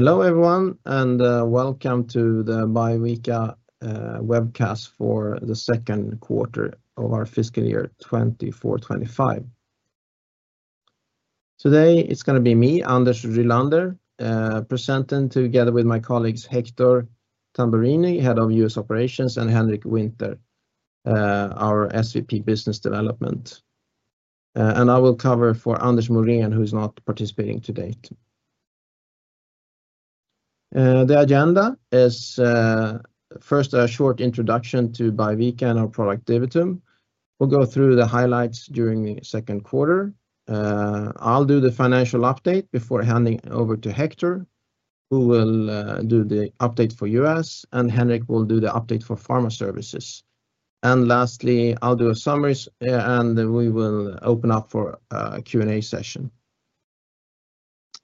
Hello everyone, and welcome to the Biovica webcast for the Q2 of our fiscal year 24-25. Today it's going to be me, Anders Rylander, presenting together with my colleagues Hector Tamburini, Head of U.S. Operations, and Henrik Winther, our SVP Business Development. And I will cover for Anders Morén, who is not participating today. The agenda is first a short introduction to Biovica and our product portfolio. We'll go through the highlights during the Q2. I'll do the financial update before handing over to Hector, who will do the update for the U.S., and Henrik will do the update for pharma services. And lastly, I'll do a summary, and we will open up for a Q&A session.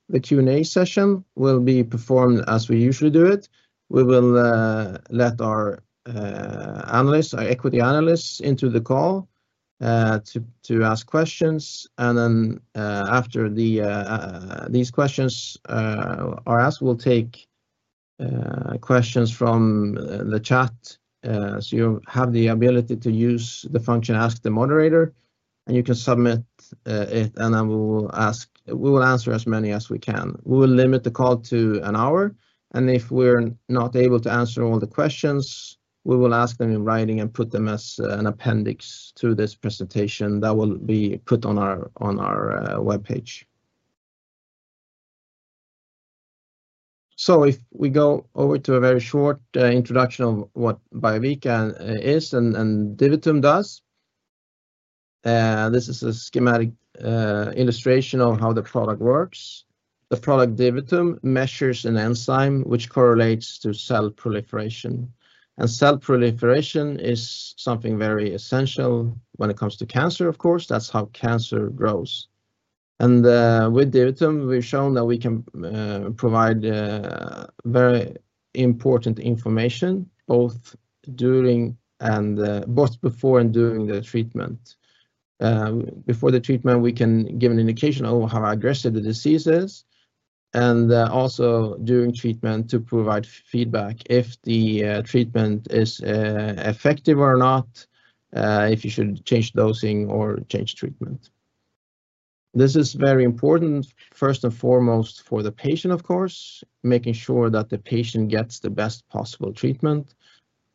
The Q&A session will be performed as we usually do it. We will let our equity analysts into the call to ask questions, and then after these questions are asked, we'll take questions from the chat, so you have the ability to use the function "Ask the Moderator," and you can submit it, and we will answer as many as we can. We will limit the call to an hour, and if we're not able to answer all the questions, we will ask them in writing and put them as an appendix to this presentation that will be put on our webpage, so if we go over to a very short introduction of what Biovica is and DiviTum does, this is a schematic illustration of how the product works. The product DiviTum measures an enzyme which correlates to cell proliferation, and cell proliferation is something very essential when it comes to cancer, of course. That's how cancer grows. With DiviTum, we've shown that we can provide very important information both before and during the treatment. Before the treatment, we can give an indication of how aggressive the disease is, and also during treatment to provide feedback if the treatment is effective or not, if you should change dosing or change treatment. This is very important first and foremost for the patient, of course, making sure that the patient gets the best possible treatment.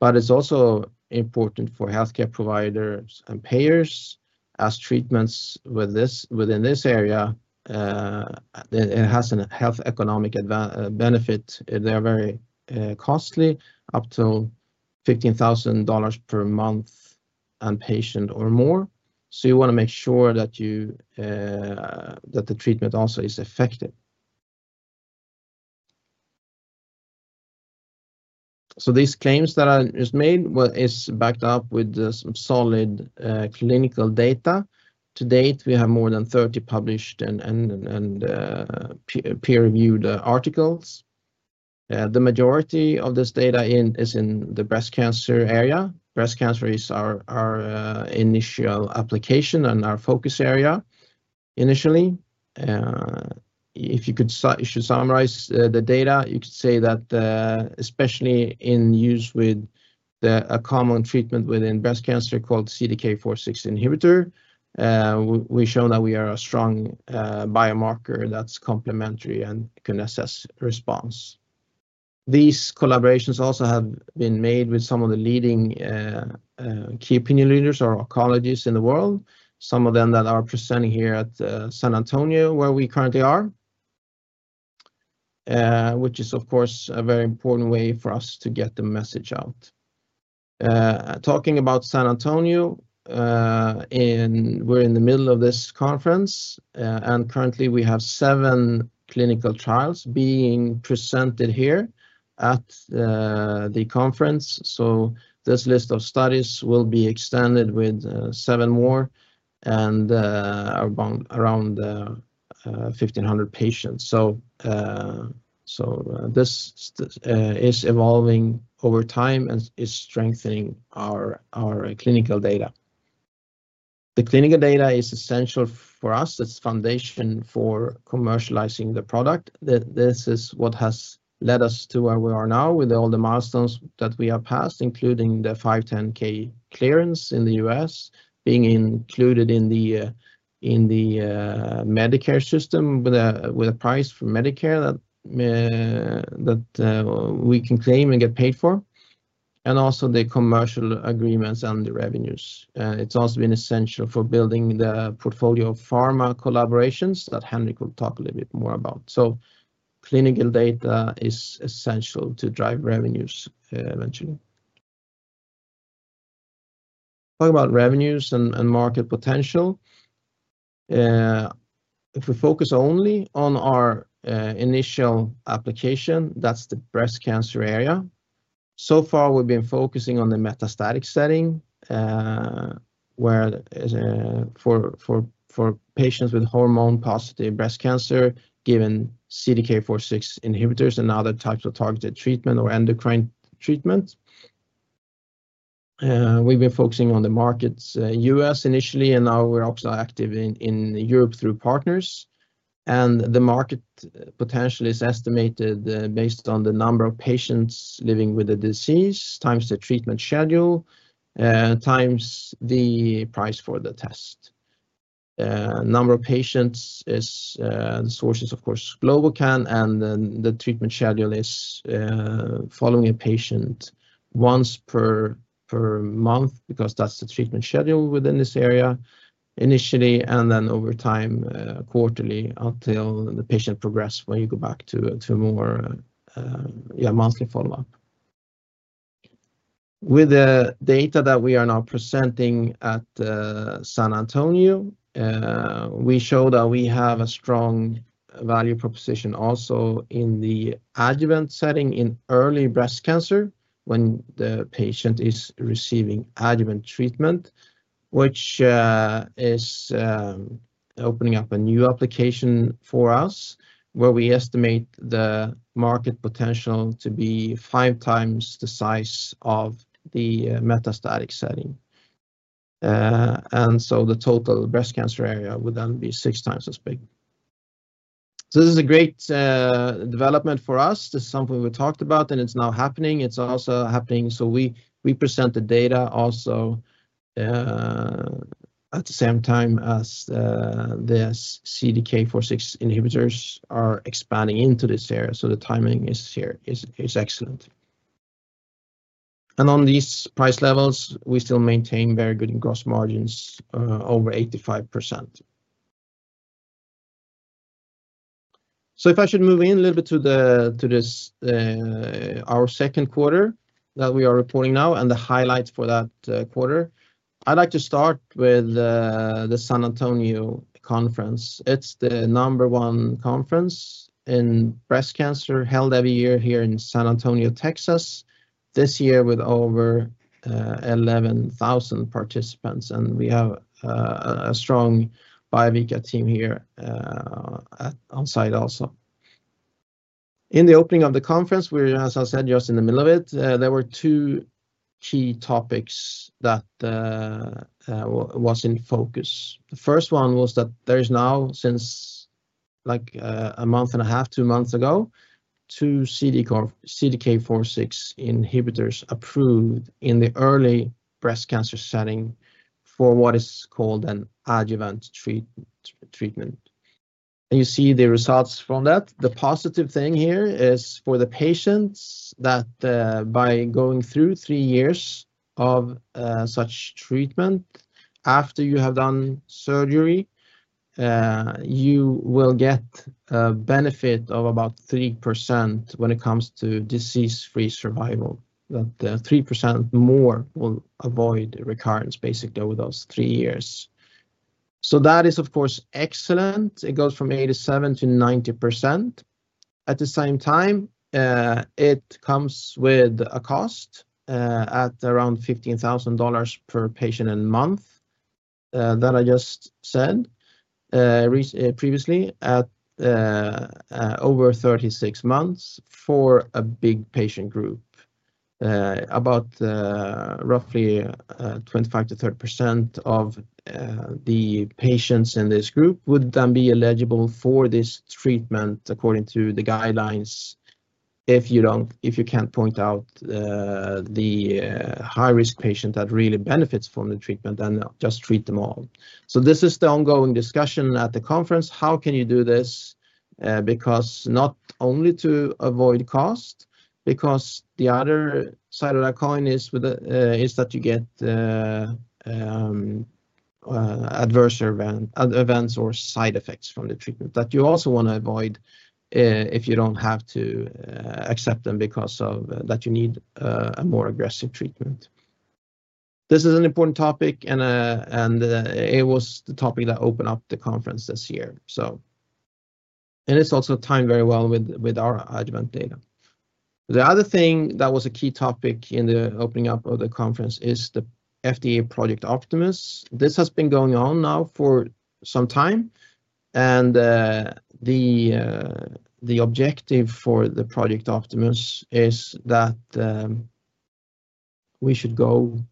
But it's also important for healthcare providers and payers as treatments within this area have a health economic benefit. They're very costly, up to $15,000 per month and patient or more. So you want to make sure that the treatment also is effective. So these claims that are just made are backed up with some solid clinical data. To date, we have more than 30 published and peer-reviewed articles. The majority of this data is in the breast cancer area. Breast cancer is our initial application and our focus area initially. If you could summarize the data, you could say that especially in use with a common treatment within breast cancer called CDK4/6 inhibitor, we've shown that we are a strong biomarker that's complementary and can assess response. These collaborations also have been made with some of the leading key opinion leaders or oncologists in the world, some of them that are presenting here at San Antonio, where we currently are, which is, of course, a very important way for us to get the message out. Talking about San Antonio, we're in the middle of this conference, and currently we have seven clinical trials being presented here at the conference, so this list of studies will be extended with seven more and around 1,500 patients. So this is evolving over time and is strengthening our clinical data. The clinical data is essential for us. It's the foundation for commercializing the product. This is what has led us to where we are now with all the milestones that we have passed, including the 510(k) clearance in the U.S. being included in the Medicare system with a price for Medicare that we can claim and get paid for, and also the commercial agreements and the revenues. It's also been essential for building the portfolio of pharma collaborations that Henrik will talk a little bit more about. So clinical data is essential to drive revenues eventually. Talking about revenues and market potential, if we focus only on our initial application, that's the breast cancer area. So far, we've been focusing on the metastatic setting for patients with hormone-positive breast cancer given CDK4/6 inhibitors and other types of targeted treatment or endocrine treatment. We've been focusing on the markets in the U.S. initially, and now we're also active in Europe through partners, and the market potential is estimated based on the number of patients living with the disease times the treatment schedule times the price for the test. The number of patients is sourced, of course, from GLOBOCAN, and the treatment schedule is following a patient once per month because that's the treatment schedule within this area initially, and then over time quarterly until the patient progresses where you go back to a more monthly follow-up. With the data that we are now presenting at San Antonio, we show that we have a strong value proposition also in the adjuvant setting in early breast cancer when the patient is receiving adjuvant treatment, which is opening up a new application for us where we estimate the market potential to be five times the size of the metastatic setting. And so the total breast cancer area would then be six times as big. So this is a great development for us. This is something we've talked about, and it's now happening. It's also happening. So we present the data also at the same time as the CDK4/6 inhibitors are expanding into this area. So the timing is excellent. And on these price levels, we still maintain very good gross margins over 85%. So if I should move in a little bit to our Q2 that we are reporting now and the highlights for that quarter, I'd like to start with the San Antonio Conference. It's the number one conference in breast cancer held every year here in San Antonio, Texas, this year with over 11,000 participants, and we have a strong Biovica team here on site also. In the opening of the conference, we're, as I said, just in the middle of it. There were two key topics that were in focus. The first one was that there is now, since like a month and a half, two months ago, two CDK4/6 inhibitors approved in the early breast cancer setting for what is called an adjuvant treatment. And you see the results from that. The positive thing here is for the patients that by going through three years of such treatment, after you have done surgery, you will get a benefit of about 3% when it comes to disease-free survival. That 3% more will avoid recurrence basically over those three years. So that is, of course, excellent. It goes from 87% to 90%. At the same time, it comes with a cost at around $15,000 per patient and month that I just said previously at over 36 months for a big patient group. About roughly 25% to 30% of the patients in this group would then be eligible for this treatment according to the guidelines. If you can't point out the high-risk patient that really benefits from the treatment, then just treat them all. So this is the ongoing discussion at the conference. How can you do this? Because not only to avoid cost, because the other side of the coin is that you get adverse events or side effects from the treatment that you also want to avoid if you don't have to accept them because of that you need a more aggressive treatment. This is an important topic, and it was the topic that opened up the conference this year, and it's also timed very well with our adjuvant data. The other thing that was a key topic in the opening up of the conference is the FDA Project Optimus. This has been going on now for some time, and the objective for the Project Optimus is that we should go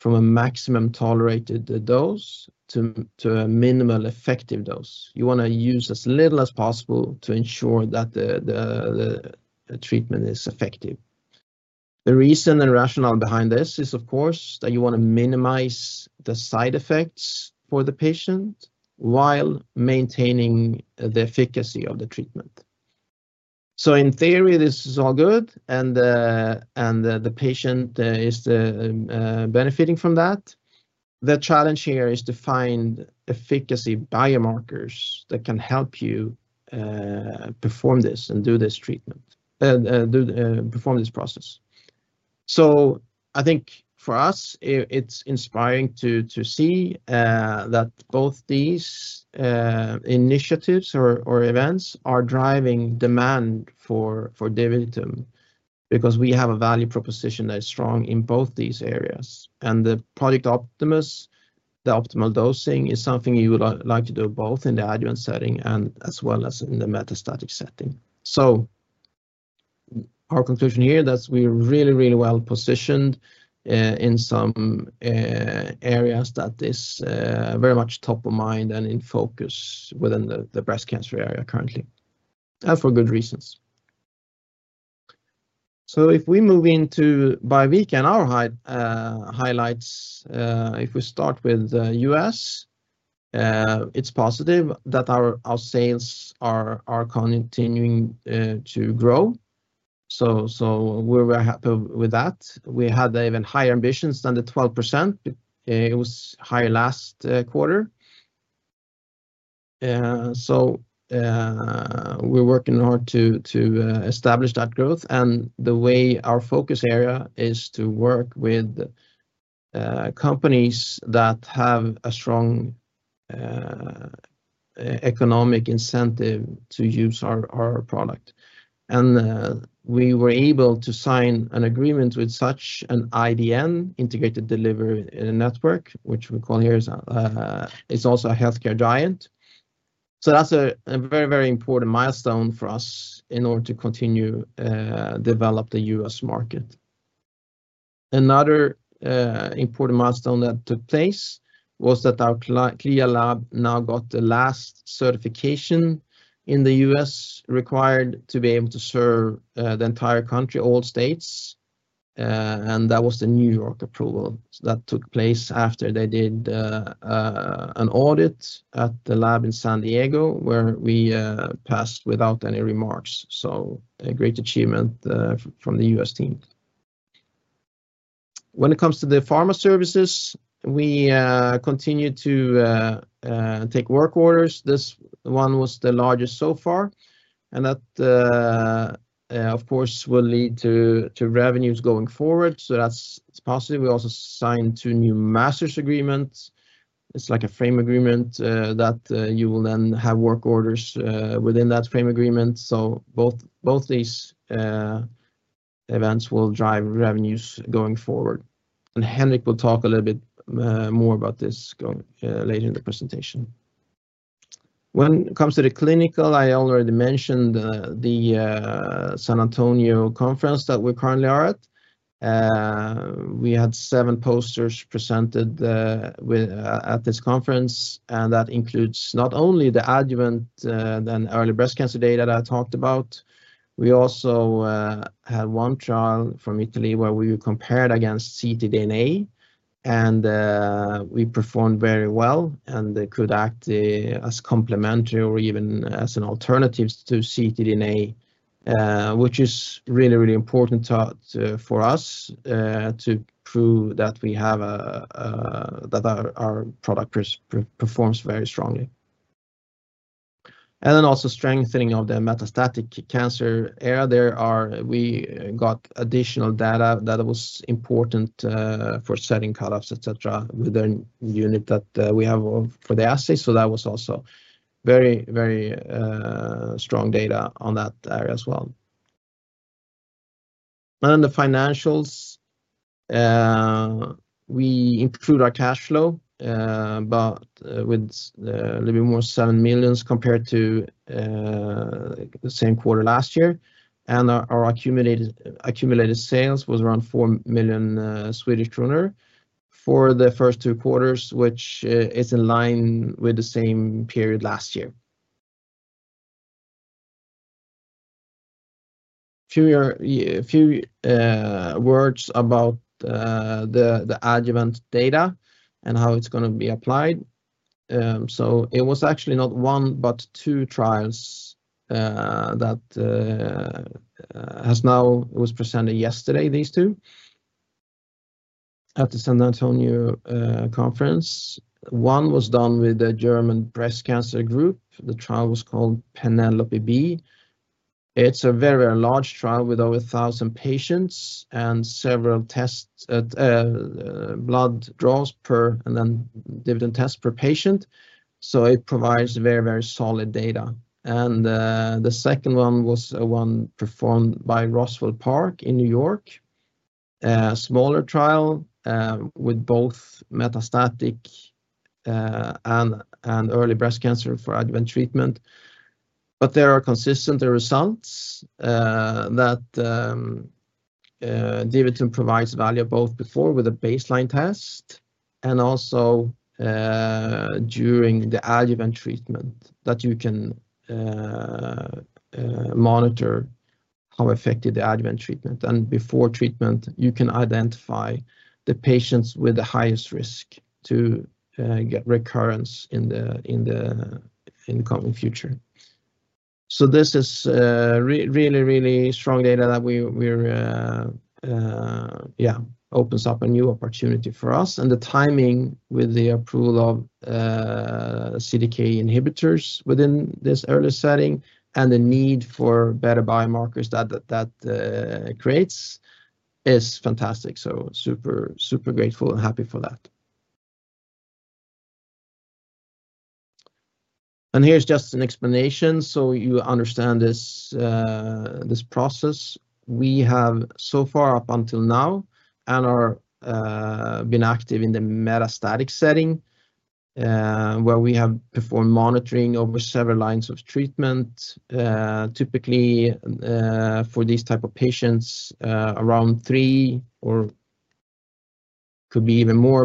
from a maximum tolerated dose to a minimal effective dose. You want to use as little as possible to ensure that the treatment is effective. The reason and rationale behind this is, of course, that you want to minimize the side effects for the patient while maintaining the efficacy of the treatment. So in theory, this is all good, and the patient is benefiting from that. The challenge here is to find efficacy biomarkers that can help you perform this and do this treatment, perform this process. So I think for us, it's inspiring to see that both these initiatives or events are driving demand for Divitum because we have a value proposition that is strong in both these areas. And the Project Optimus, the optimal dosing is something you would like to do both in the adjuvant setting and as well as in the metastatic setting. Our conclusion here is that we're really, really well positioned in some areas that is very much top of mind and in focus within the breast cancer area currently, and for good reasons. If we move into Biovica and our highlights, if we start with the U.S., it's positive that our sales are continuing to grow. We're very happy with that. We had even higher ambitions than the 12%. It was higher last quarter. We're working hard to establish that growth, and the way our focus area is to work with companies that have a strong economic incentive to use our product. We were able to sign an agreement with such an IDN, Integrated Delivery Network, which we call here. It's also a healthcare giant. That's a very, very important milestone for us in order to continue to develop the U.S. market. Another important milestone that took place was that our CLIA lab now got the last certification in the U.S. required to be able to serve the entire country, all states, and that was the New York approval that took place after they did an audit at the lab in San Diego where we passed without any remarks, so a great achievement from the U.S. team. When it comes to the pharma services, we continue to take work orders. This one was the largest so far, and that, of course, will lead to revenues going forward, so that's positive. We also signed two new Master's Agreements. It's like a frame agreement that you will then have work orders within that frame agreement, so both these events will drive revenues going forward, and Henrik will talk a little bit more about this later in the presentation. When it comes to the clinical, I already mentioned the San Antonio Conference that we currently are at. We had seven posters presented at this conference, and that includes not only the adjuvant and early breast cancer data that I talked about. We also had one trial from Italy where we compared against ctDNA, and we performed very well and could act as complementary or even as an alternative to ctDNA, which is really, really important for us to prove that our product performs very strongly. And then also strengthening of the metastatic cancer area. We got additional data that was important for setting cutoffs, etc., with the unit that we have for the assay. So that was also very, very strong data on that area as well. And then the financials. We improved our cash flow, but with a little bit more 7 million compared to the same quarter last year. And our accumulated sales was around 4 million Swedish kronor for the first two quarters, which is in line with the same period last year. A few words about the adjuvant data and how it's going to be applied. So it was actually not one, but two trials that has now was presented yesterday, these two, at the San Antonio Conference. One was done with the German Breast Group. The trial was called Penelope-B. It's a very, very large trial with over 1,000 patients and several tests, blood draws per and then Divitum tests per patient. So it provides very, very solid data. And the second one was one performed by Roswell Park in New York, a smaller trial with both metastatic and early breast cancer for adjuvant treatment. But there are consistent results that Divitum provides value both before with a baseline test and also during the adjuvant treatment that you can monitor how effective the adjuvant treatment. And before treatment, you can identify the patients with the highest risk to get recurrence in the incoming future. So this is really, really strong data that, yeah, opens up a new opportunity for us. And the timing with the approval of CDK inhibitors within this early setting and the need for better biomarkers that that creates is fantastic. So super, super grateful and happy for that. And here's just an explanation so you understand this process. We have so far up until now and are been active in the metastatic setting where we have performed monitoring over several lines of treatment. Typically, for these type of patients, around three or could be even more,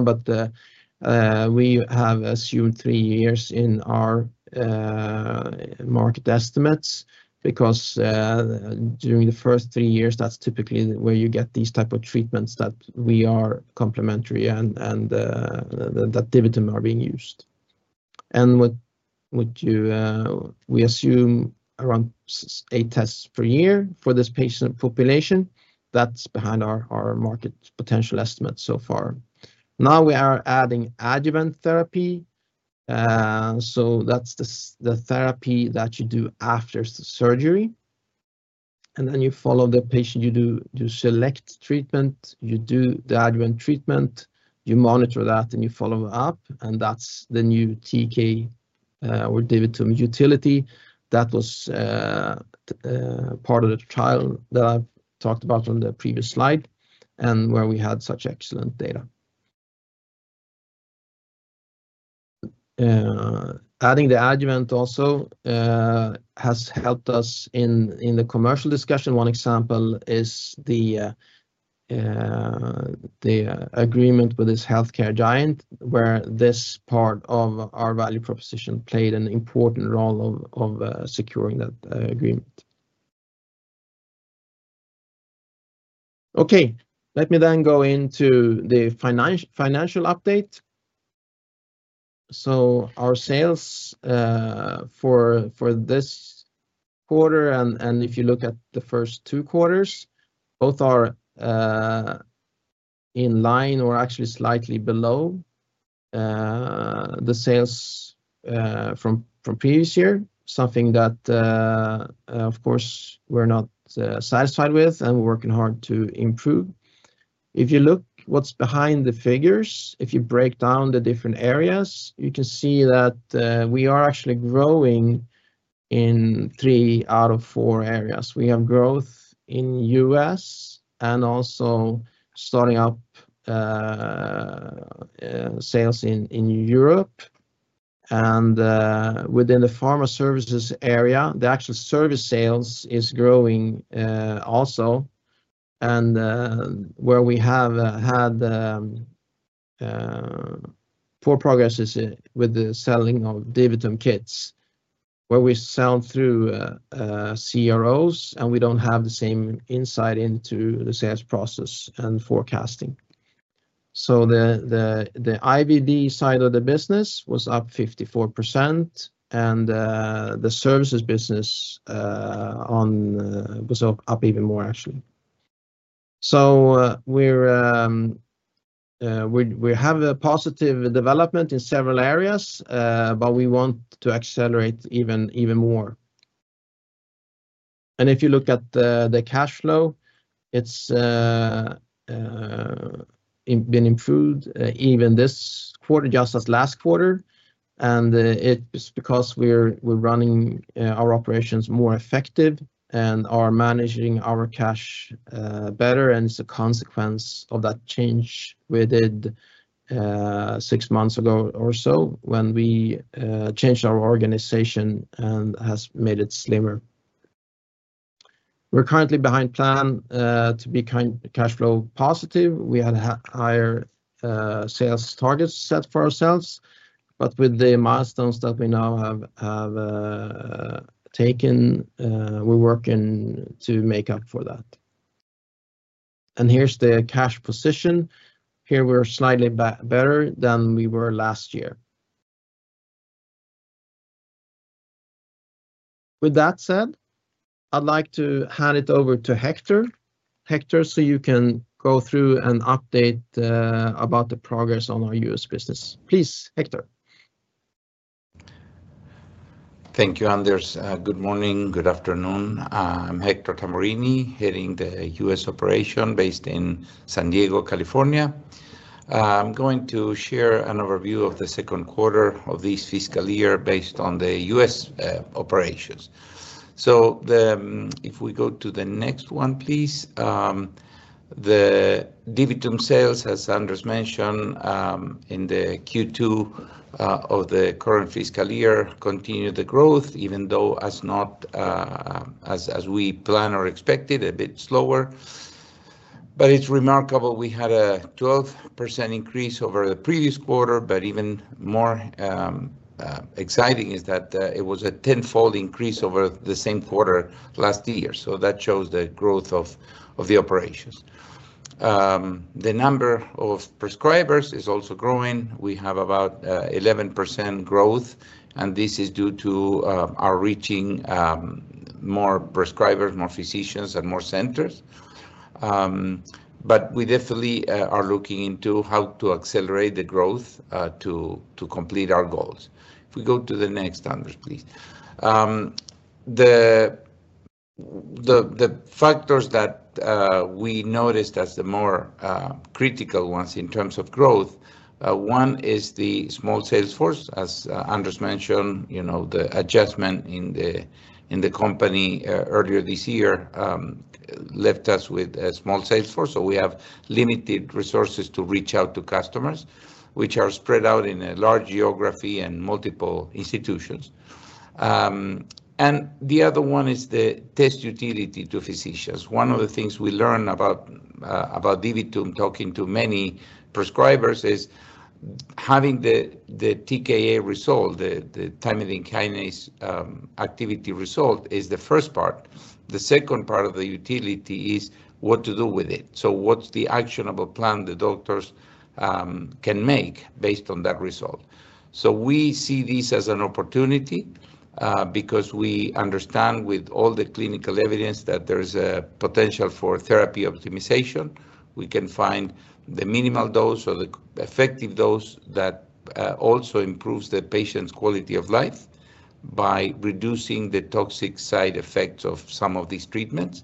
but we have assumed three years in our market estimates because during the first three years, that's typically where you get these type of treatments that we are complementary and that Divitum are being used, and we assume around eight tests per year for this patient population. That's behind our market potential estimates so far. Now we are adding adjuvant therapy, so that's the therapy that you do after surgery, and then you follow the patient. You do select treatment. You do the adjuvant treatment. You monitor that and you follow up, and that's the new TK or Divitum utility that was part of the trial that I've talked about on the previous slide and where we had such excellent data. Adding the adjuvant also has helped us in the commercial discussion. One example is the agreement with this healthcare giant where this part of our value proposition played an important role of securing that agreement. Okay. Let me then go into the financial update. So our sales for this quarter, and if you look at the first two quarters, both are in line or actually slightly below the sales from previous year, something that, of course, we're not satisfied with and working hard to improve. If you look what's behind the figures, if you break down the different areas, you can see that we are actually growing in three out of four areas. We have growth in U.S. and also starting up sales in Europe. And within the pharma services area, the actual service sales is growing also. And where we have had poor progress is with the selling of Divitum kits, where we sell through CROs, and we don't have the same insight into the sales process and forecasting, so the IVD side of the business was up 54%, and the services business was up even more, actually. We have a positive development in several areas, but we want to accelerate even more, and if you look at the cash flow, it's been improved even this quarter, just as last quarter, and it's because we're running our operations more effective and are managing our cash better, and it's a consequence of that change we did six months ago or so when we changed our organization and has made it slimmer. We're currently behind plan to be cash flow positive. We had higher sales targets set for ourselves. But with the milestones that we now have taken, we're working to make up for that. And here's the cash position. Here we're slightly better than we were last year. With that said, I'd like to hand it over to Hector. Hector, so you can go through and update about the progress on our U.S. business. Please, Hector. Thank you, Anders. Good morning. Good afternoon. I'm Hector Tamburini, heading the U.S. operation based in San Diego, California. I'm going to share an overview of the Q2 of this fiscal year based on the U.S. operations. So if we go to the next one, please. The Divitum sales, as Anders mentioned, in the Q2 of the current fiscal year continued the growth, even though as we plan or expected, a bit slower. But it's remarkable. We had a 12% increase over the previous quarter, but even more exciting is that it was a 10-fold increase over the same quarter last year. So that shows the growth of the operations. The number of prescribers is also growing. We have about 11% growth, and this is due to our reaching more prescribers, more physicians, and more centers. But we definitely are looking into how to accelerate the growth to complete our goals. If we go to the next, Anders, please. The factors that we noticed as the more critical ones in terms of growth, one is the small sales force. As Anders mentioned, the adjustment in the company earlier this year left us with a small sales force. So we have limited resources to reach out to customers, which are spread out in a large geography and multiple institutions. The other one is the test utility to physicians. One of the things we learned about Divitum talking to many prescribers is having the TKa result, the thymidine kinase activity result, is the first part. The second part of the utility is what to do with it. What's the actionable plan the doctors can make based on that result? We see this as an opportunity because we understand with all the clinical evidence that there is a potential for therapy optimization. We can find the minimal dose or the effective dose that also improves the patient's quality of life by reducing the toxic side effects of some of these treatments.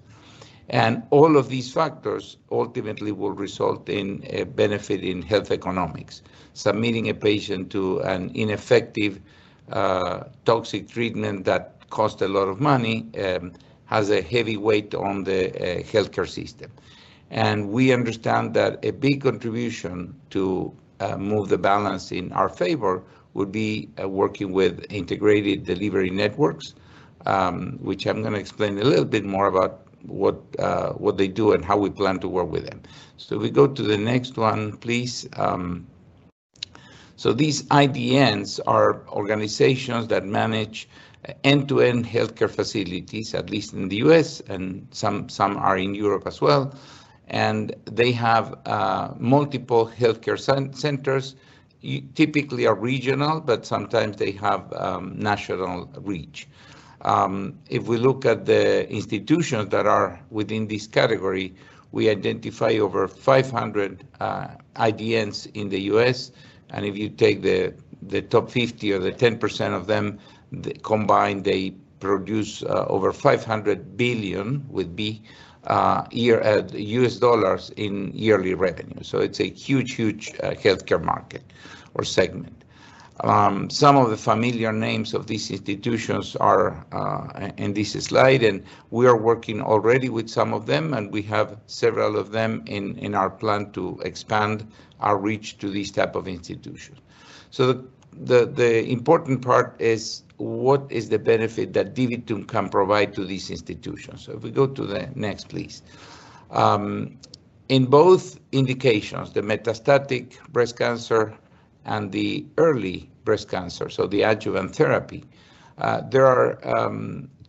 And all of these factors ultimately will result in a benefit in health economics. Submitting a patient to an ineffective toxic treatment that costs a lot of money has a heavy weight on the healthcare system. We understand that a big contribution to move the balance in our favor would be working with integrated delivery networks, which I'm going to explain a little bit more about what they do and how we plan to work with them. So if we go to the next one, please. These IDNs are organizations that manage end-to-end healthcare facilities, at least in the U.S., and some are in Europe as well. They have multiple healthcare centers, typically are regional, but sometimes they have national reach. If we look at the institutions that are within this category, we identify over 500 IDNs in the U.S. If you take the top 50 or the 10% of them combined, they produce over $500 billion in yearly revenue. It's a huge, huge healthcare market or segment. Some of the familiar names of these institutions are in this slide. And we are working already with some of them, and we have several of them in our plan to expand our reach to these type of institutions. So the important part is what is the benefit that Divitum can provide to these institutions? So if we go to the next, please. In both indications, the metastatic breast cancer and the early breast cancer, so the adjuvant therapy, there are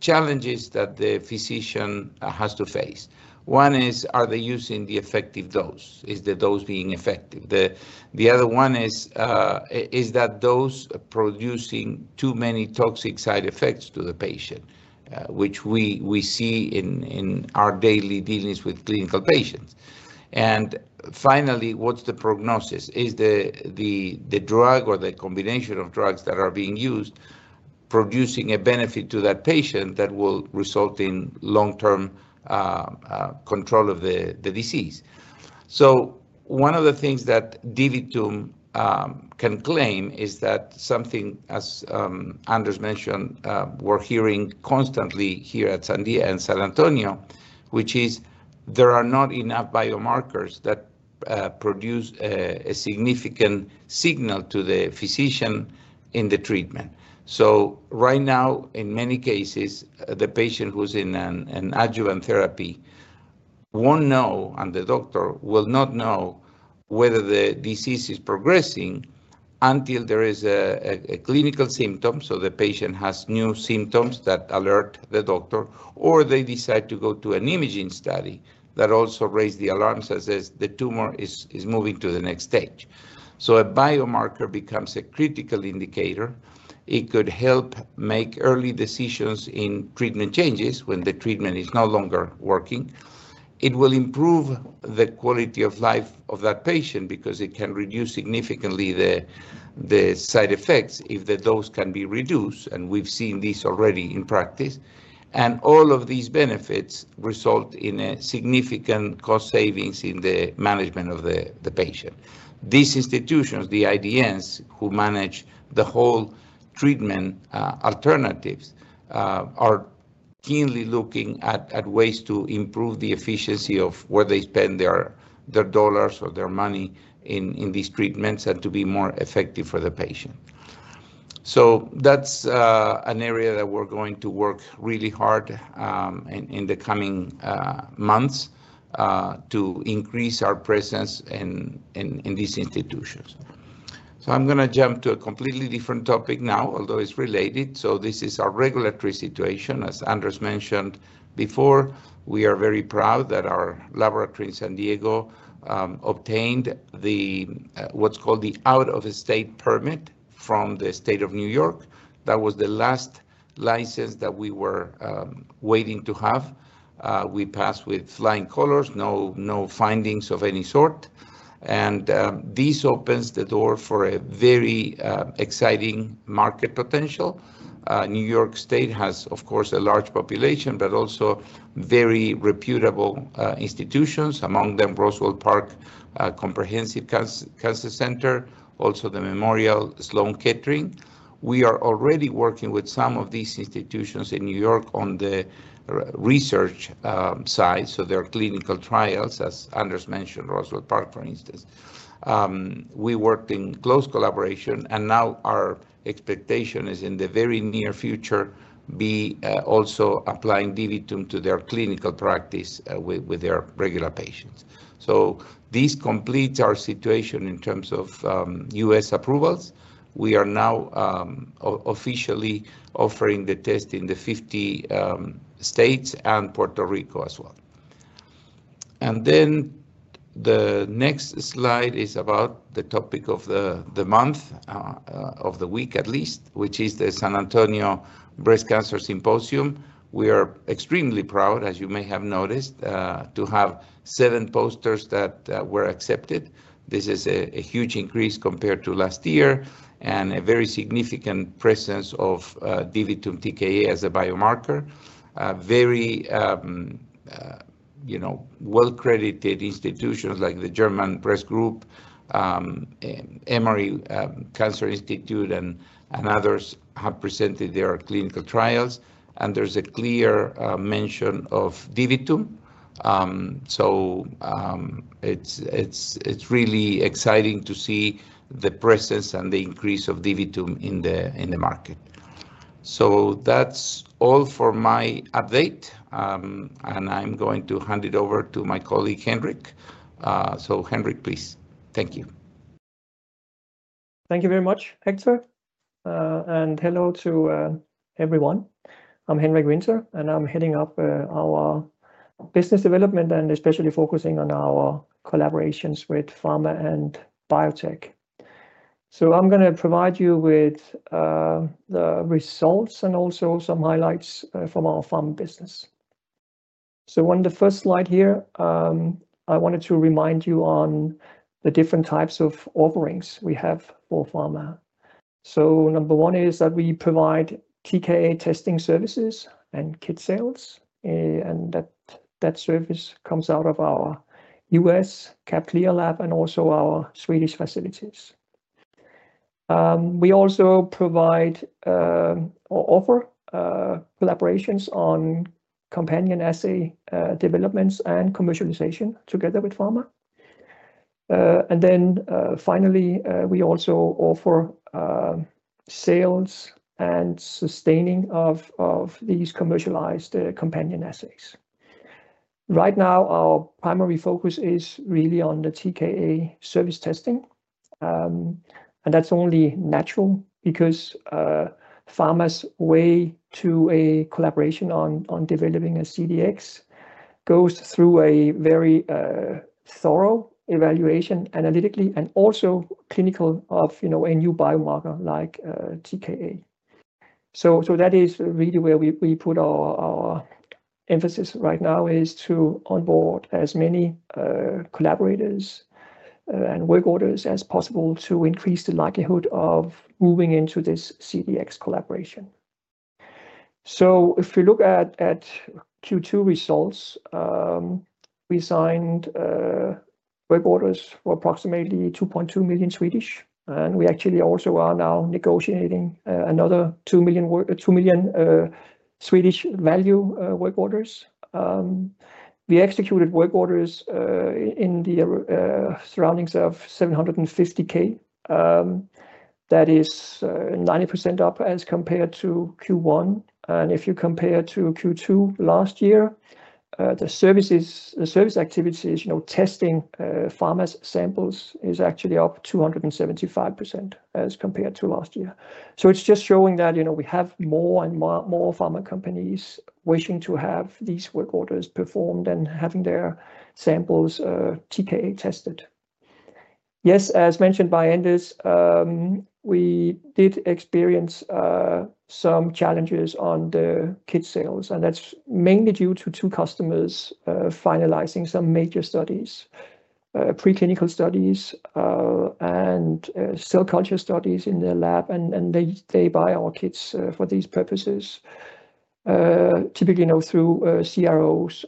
challenges that the physician has to face. One is, are they using the effective dose? Is the dose being effective? The other one is, is that dose producing too many toxic side effects to the patient, which we see in our daily dealings with clinical patients? And finally, what's the prognosis? Is the drug or the combination of drugs that are being used producing a benefit to that patient that will result in long-term control of the disease? So one of the things that DiviTum can claim is that something, as Anders mentioned, we're hearing constantly here at San Diego and San Antonio, which is there are not enough biomarkers that produce a significant signal to the physician in the treatment. So right now, in many cases, the patient who's in an adjuvant therapy won't know, and the doctor will not know whether the disease is progressing until there is a clinical symptom. So the patient has new symptoms that alert the doctor, or they decide to go to an imaging study that also raised the alarms as the tumor is moving to the next stage. So a biomarker becomes a critical indicator. It could help make early decisions in treatment changes when the treatment is no longer working. It will improve the quality of life of that patient because it can reduce significantly the side effects if the dose can be reduced. And we've seen this already in practice. And all of these benefits result in significant cost savings in the management of the patient. These institutions, the IDNs who manage the whole treatment alternatives, are keenly looking at ways to improve the efficiency of where they spend their dollars or their money in these treatments and to be more effective for the patient. So that's an area that we're going to work really hard in the coming months to increase our presence in these institutions. So I'm going to jump to a completely different topic now, although it's related. So this is our regulatory situation. As Anders mentioned before, we are very proud that our laboratory in San Diego obtained what's called the out-of-state permit from the state of New York. That was the last license that we were waiting to have. We passed with flying colors, no findings of any sort. And this opens the door for a very exciting market potential. New York State has, of course, a large population, but also very reputable institutions, among them Roswell Park Comprehensive Cancer Center, also the Memorial Sloan Kettering. We are already working with some of these institutions in New York on the research side. So there are clinical trials, as Anders mentioned, Roswell Park, for instance. We worked in close collaboration, and now our expectation is in the very near future to be also applying DiviTum to their clinical practice with their regular patients. So this completes our situation in terms of U.S. approvals. We are now officially offering the test in the 50 states and Puerto Rico as well. And then the next slide is about the topic of the month, of the week at least, which is the San Antonio Breast Cancer Symposium. We are extremely proud, as you may have noticed, to have seven posters that were accepted. This is a huge increase compared to last year and a very significant presence of Divitum TKa as a biomarker. Very well-credited institutions like the German Breast Group, Emory Cancer Institute, and others have presented their clinical trials. And there's a clear mention of Divitum. So it's really exciting to see the presence and the increase of Divitum in the market. So that's all for my update. And I'm going to hand it over to my colleague, Henrik. So Henrik, please. Thank you. Thank you very much, Hector. And hello to everyone. I'm Henrik Winther, and I'm heading up our business development and especially focusing on our collaborations with pharma and biotech. I'm going to provide you with the results and also some highlights from our pharma business. On the first slide here, I wanted to remind you on the different types of offerings we have for pharma. Number one is that we provide TKa testing services and kit sales, and that service comes out of our US CAP/CLIA lab and also our Swedish facilities. We also provide or offer collaborations on companion assay developments and commercialization together with pharma. And then finally, we also offer sales and sustaining of these commercialized companion assays. Right now, our primary focus is really on the TKa service testing. That's only natural because pharma's way to a collaboration on developing a CDX goes through a very thorough evaluation analytically and also clinical of a new biomarker like TKa. That is really where we put our emphasis right now is to onboard as many collaborators and work orders as possible to increase the likelihood of moving into this CDX collaboration. If we look at Q2 results, we signed work orders for approximately 2.2 million. We actually also are now negotiating another 2 million value work orders. We executed work orders in the surroundings of 750,000. That is 90% up as compared to Q1. If you compare to Q2 last year, the service activities, testing pharma samples is actually up 275% as compared to last year. It's just showing that we have more and more pharma companies wishing to have these work orders performed and having their samples TKa tested. Yes, as mentioned by Anders, we did experience some challenges on the kit sales. That's mainly due to two customers finalizing some major studies, preclinical studies and cell culture studies in their lab. They buy our kits for these purposes, typically through CROs.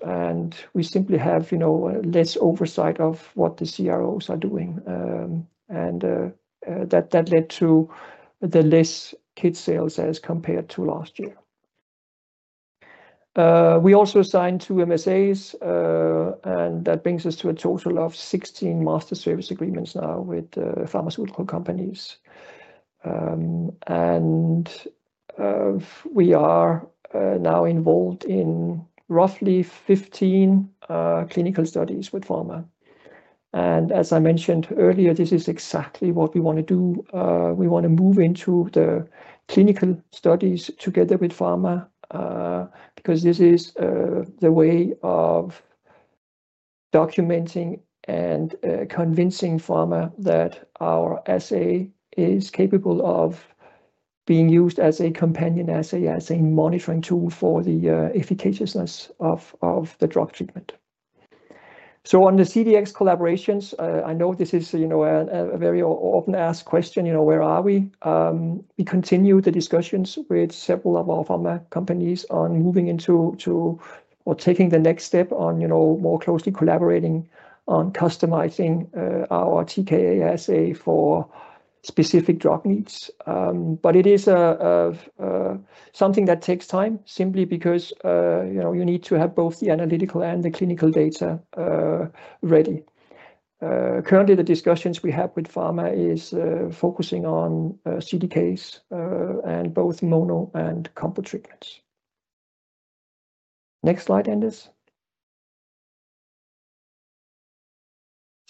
We simply have less oversight of what the CROs are doing. That led to the less kit sales as compared to last year. We also signed two MSAs, and that brings us to a total of 16 master service agreements now with pharmaceutical companies. We are now involved in roughly 15 clinical studies with pharma. As I mentioned earlier, this is exactly what we want to do. We want to move into the clinical studies together with pharma because this is the way of documenting and convincing pharma that our assay is capable of being used as a companion assay, as a monitoring tool for the efficaciousness of the drug treatment. So on the CDx collaborations, I know this is a very often asked question, where are we? We continue the discussions with several of our pharma companies on moving into or taking the next step on more closely collaborating on customizing our TKa assay for specific drug needs. But it is something that takes time simply because you need to have both the analytical and the clinical data ready. Currently, the discussions we have with pharma is focusing on CDKs and both mono and combo treatments. Next slide, Anders.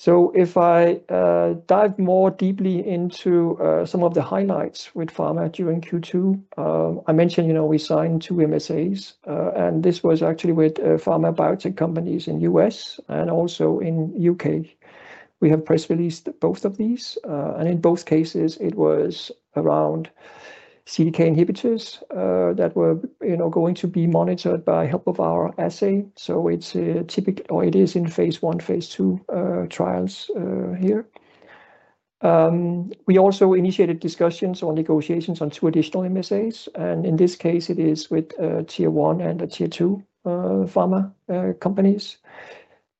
So if I dive more deeply into some of the highlights with pharma during Q2, I mentioned we signed two MSAs, and this was actually with pharma biotech companies in the U.S. and also in the U.K. We have press released both of these. And in both cases, it was around CDK inhibitors that were going to be monitored by help of our assay. So it is in phase one, phase two trials here. We also initiated discussions or negotiations on two additional MSAs. And in this case, it is with tier one and tier two pharma companies.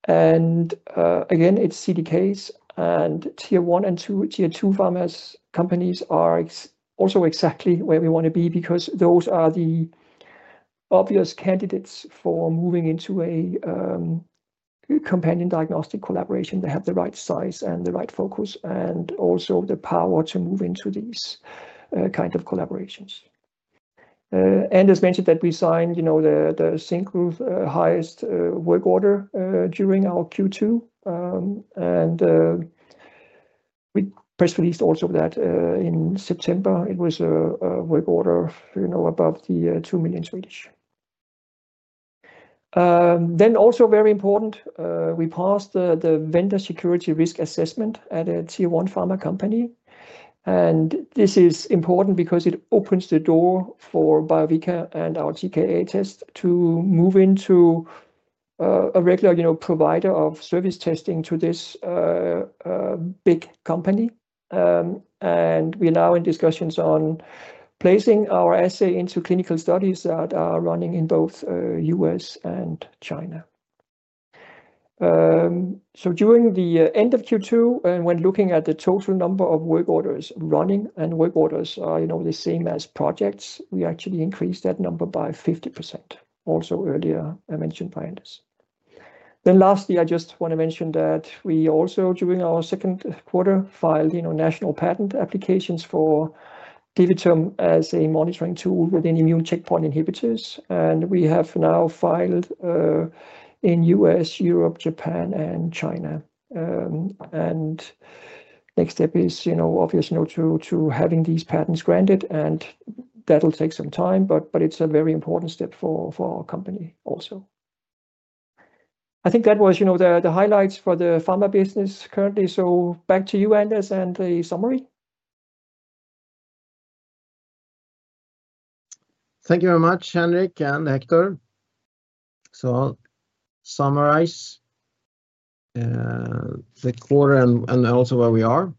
And again, it's CDKs. Tier one and tier two pharma companies are also exactly where we want to be because those are the obvious candidates for moving into a companion diagnostic collaboration that have the right size and the right focus and also the power to move into these kinds of collaborations. As mentioned, we signed the single highest work order during our Q2. We press released also that in September, it was a work order above 2 million. Then also very important, we passed the vendor security risk assessment at a tier one pharma company. This is important because it opens the door for Biovica and our TKa test to move into a regular provider of service testing to this big company. We're now in discussions on placing our assay into clinical studies that are running in both US and China. So during the end of Q2, and when looking at the total number of work orders running and work orders are the same as projects, we actually increased that number by 50%, also earlier mentioned by Anders. Then lastly, I just want to mention that we also, during our Q2, filed national patent applications for Divitum as a monitoring tool within immune checkpoint inhibitors. And we have now filed in U.S., Europe, Japan, and China. And next step is obviously to having these patents granted. And that'll take some time, but it's a very important step for our company also. I think that was the highlights for the pharma business currently. So back to you, Anders, and the summary. Thank you very much, Henrik and Hector. So I'll summarize the quarter and also where we are.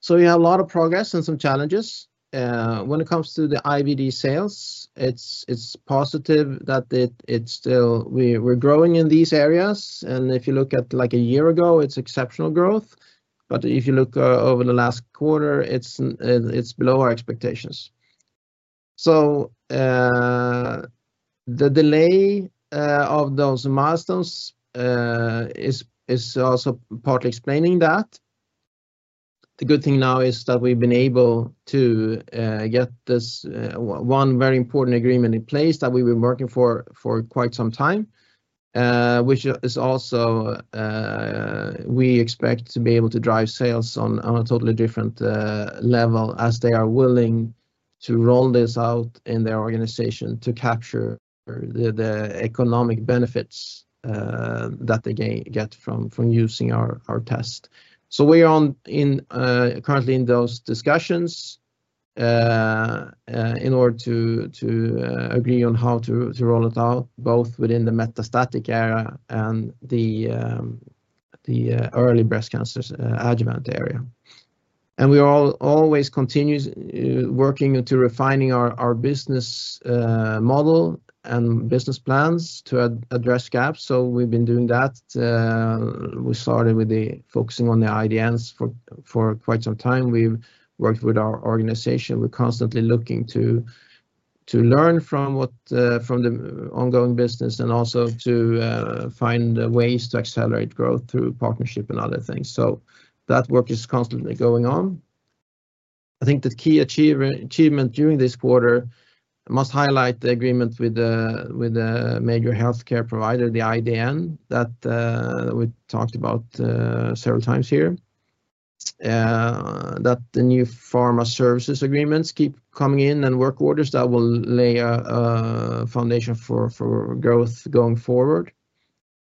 So we have a lot of progress and some challenges. When it comes to the IVD sales, it's positive that we're growing in these areas. And if you look at like a year ago, it's exceptional growth. But if you look over the last quarter, it's below our expectations. So the delay of those milestones is also partly explaining that. The good thing now is that we've been able to get this one very important agreement in place that we've been working for quite some time, which is also we expect to be able to drive sales on a totally different level as they are willing to roll this out in their organization to capture the economic benefits that they get from using our test. So we are currently in those discussions in order to agree on how to roll it out, both within the metastatic area and the early breast cancer adjuvant area. We are always continuously working to refining our business model and business plans to address gaps. We've been doing that. We started with focusing on the IDNs for quite some time. We've worked with our organization. We're constantly looking to learn from the ongoing business and also to find ways to accelerate growth through partnership and other things. That work is constantly going on. I think the key achievement during this quarter must highlight the agreement with the major healthcare provider, the IDN, that we talked about several times here, that the new pharma services agreements keep coming in and work orders that will lay a foundation for growth going forward.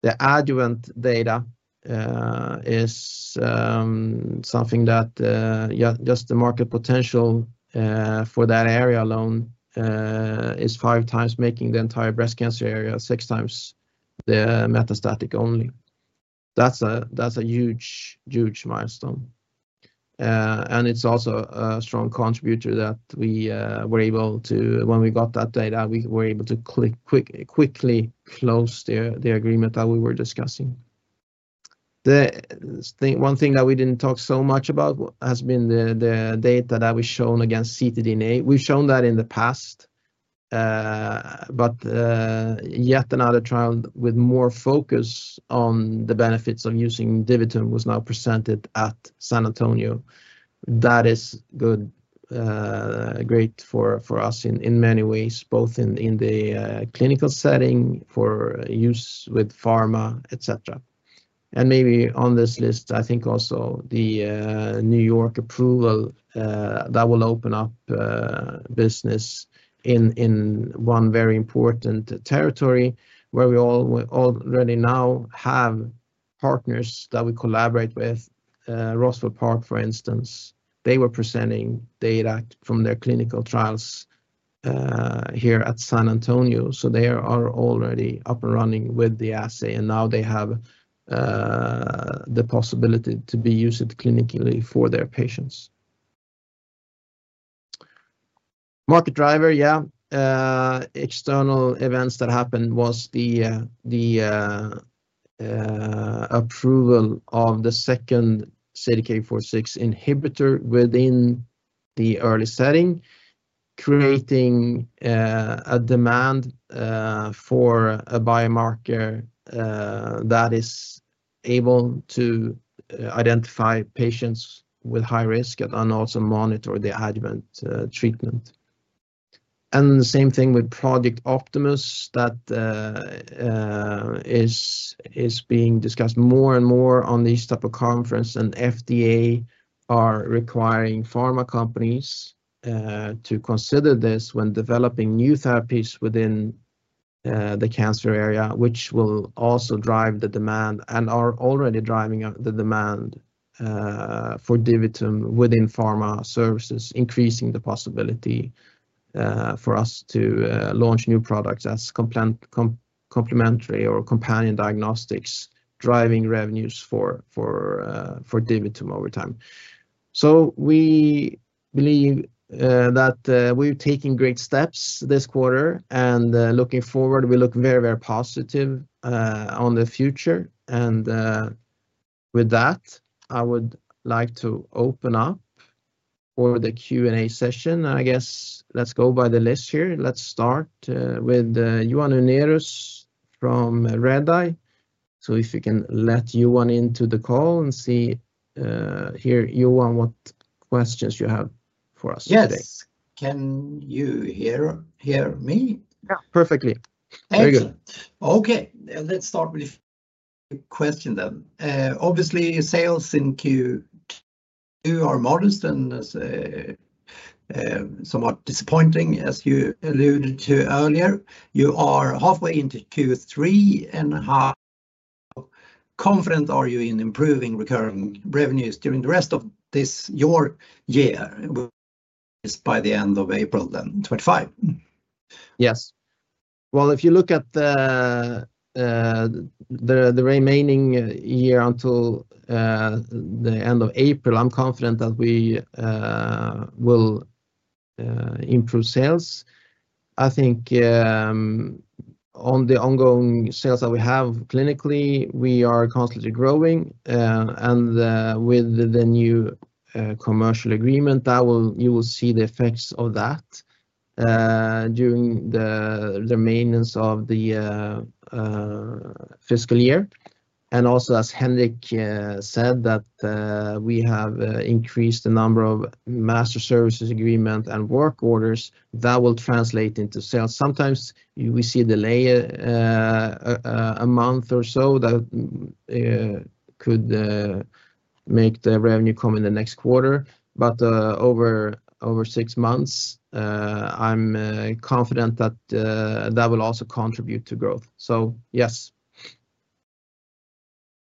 The adjuvant data is something that just the market potential for that area alone is five times making the entire breast cancer area, six times the metastatic only. That's a huge, huge milestone. It's also a strong contributor that we were able to, when we got that data, we were able to quickly close the agreement that we were discussing. One thing that we didn't talk so much about has been the data that we've shown against ctDNA. We've shown that in the past, but yet another trial with more focus on the benefits of using DiviTum was now presented at San Antonio. That is great for us in many ways, both in the clinical setting for use with pharma, etc. Maybe on this list, I think also the New York approval that will open up business in one very important territory where we already now have partners that we collaborate with, Roswell Park, for instance. They were presenting data from their clinical trials here at San Antonio. They are already up and running with the assay, and now they have the possibility to be used clinically for their patients. Market driver, yeah. External events that happened was the approval of the second CDK4/6 inhibitor within the early setting, creating a demand for a biomarker that is able to identify patients with high risk and also monitor the adjuvant treatment. And the same thing with Project Optimus that is being discussed more and more on these types of conferences. And FDA are requiring pharma companies to consider this when developing new therapies within the cancer area, which will also drive the demand and are already driving the demand for Divitum within pharma services, increasing the possibility for us to launch new products as complementary or companion diagnostics, driving revenues for Divitum over time. We believe that we're taking great steps this quarter. Looking forward, we look very, very positive on the future. With that, I would like to open up for the Q&A session. I guess let's go by the list here. Let's start with Johan Unnerus from Redeye. So if you can let Johan into the call and see here, Johan, what questions you have for us today. Yes. Can you hear me? Yeah. Perfectly. Thank you. Very good. Okay. Let's start with a question then. Obviously, sales in Q2 are modest and somewhat disappointing, as you alluded to earlier. You are halfway into Q3, and how confident are you in improving recurring revenues during the rest of your year by the end of April 2025? Yes. Well, if you look at the remaining year until the end of April, I'm confident that we will improve sales. I think on the ongoing sales that we have clinically, we are constantly growing. And with the new commercial agreement, you will see the effects of that during the remainder of the fiscal year. And also, as Henrik said, that we have increased the number of master services agreements and work orders that will translate into sales. Sometimes we see a delay a month or so that could make the revenue come in the next quarter. But over six months, I'm confident that that will also contribute to growth. So yes.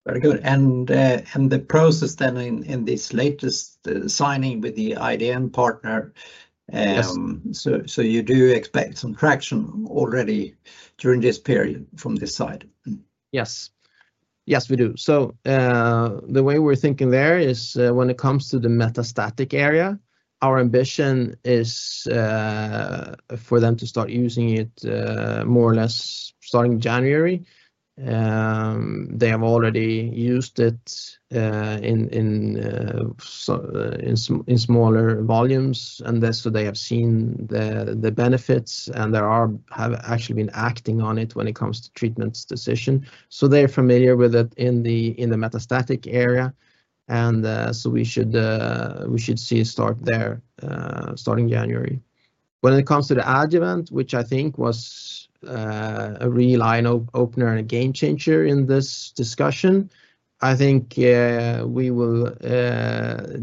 Very good. And the process then in this latest signing with the IDN partner. So you do expect some traction already during this period from this side? Yes. Yes, we do. So the way we're thinking there is when it comes to the metastatic area, our ambition is for them to start using it more or less starting January. They have already used it in smaller volumes. And so they have seen the benefits, and they have actually been acting on it when it comes to treatment decisions. So they're familiar with it in the metastatic area. And so we should see it start there starting January. When it comes to the adjuvant, which I think was a real eye opener and a game changer in this discussion, I think we will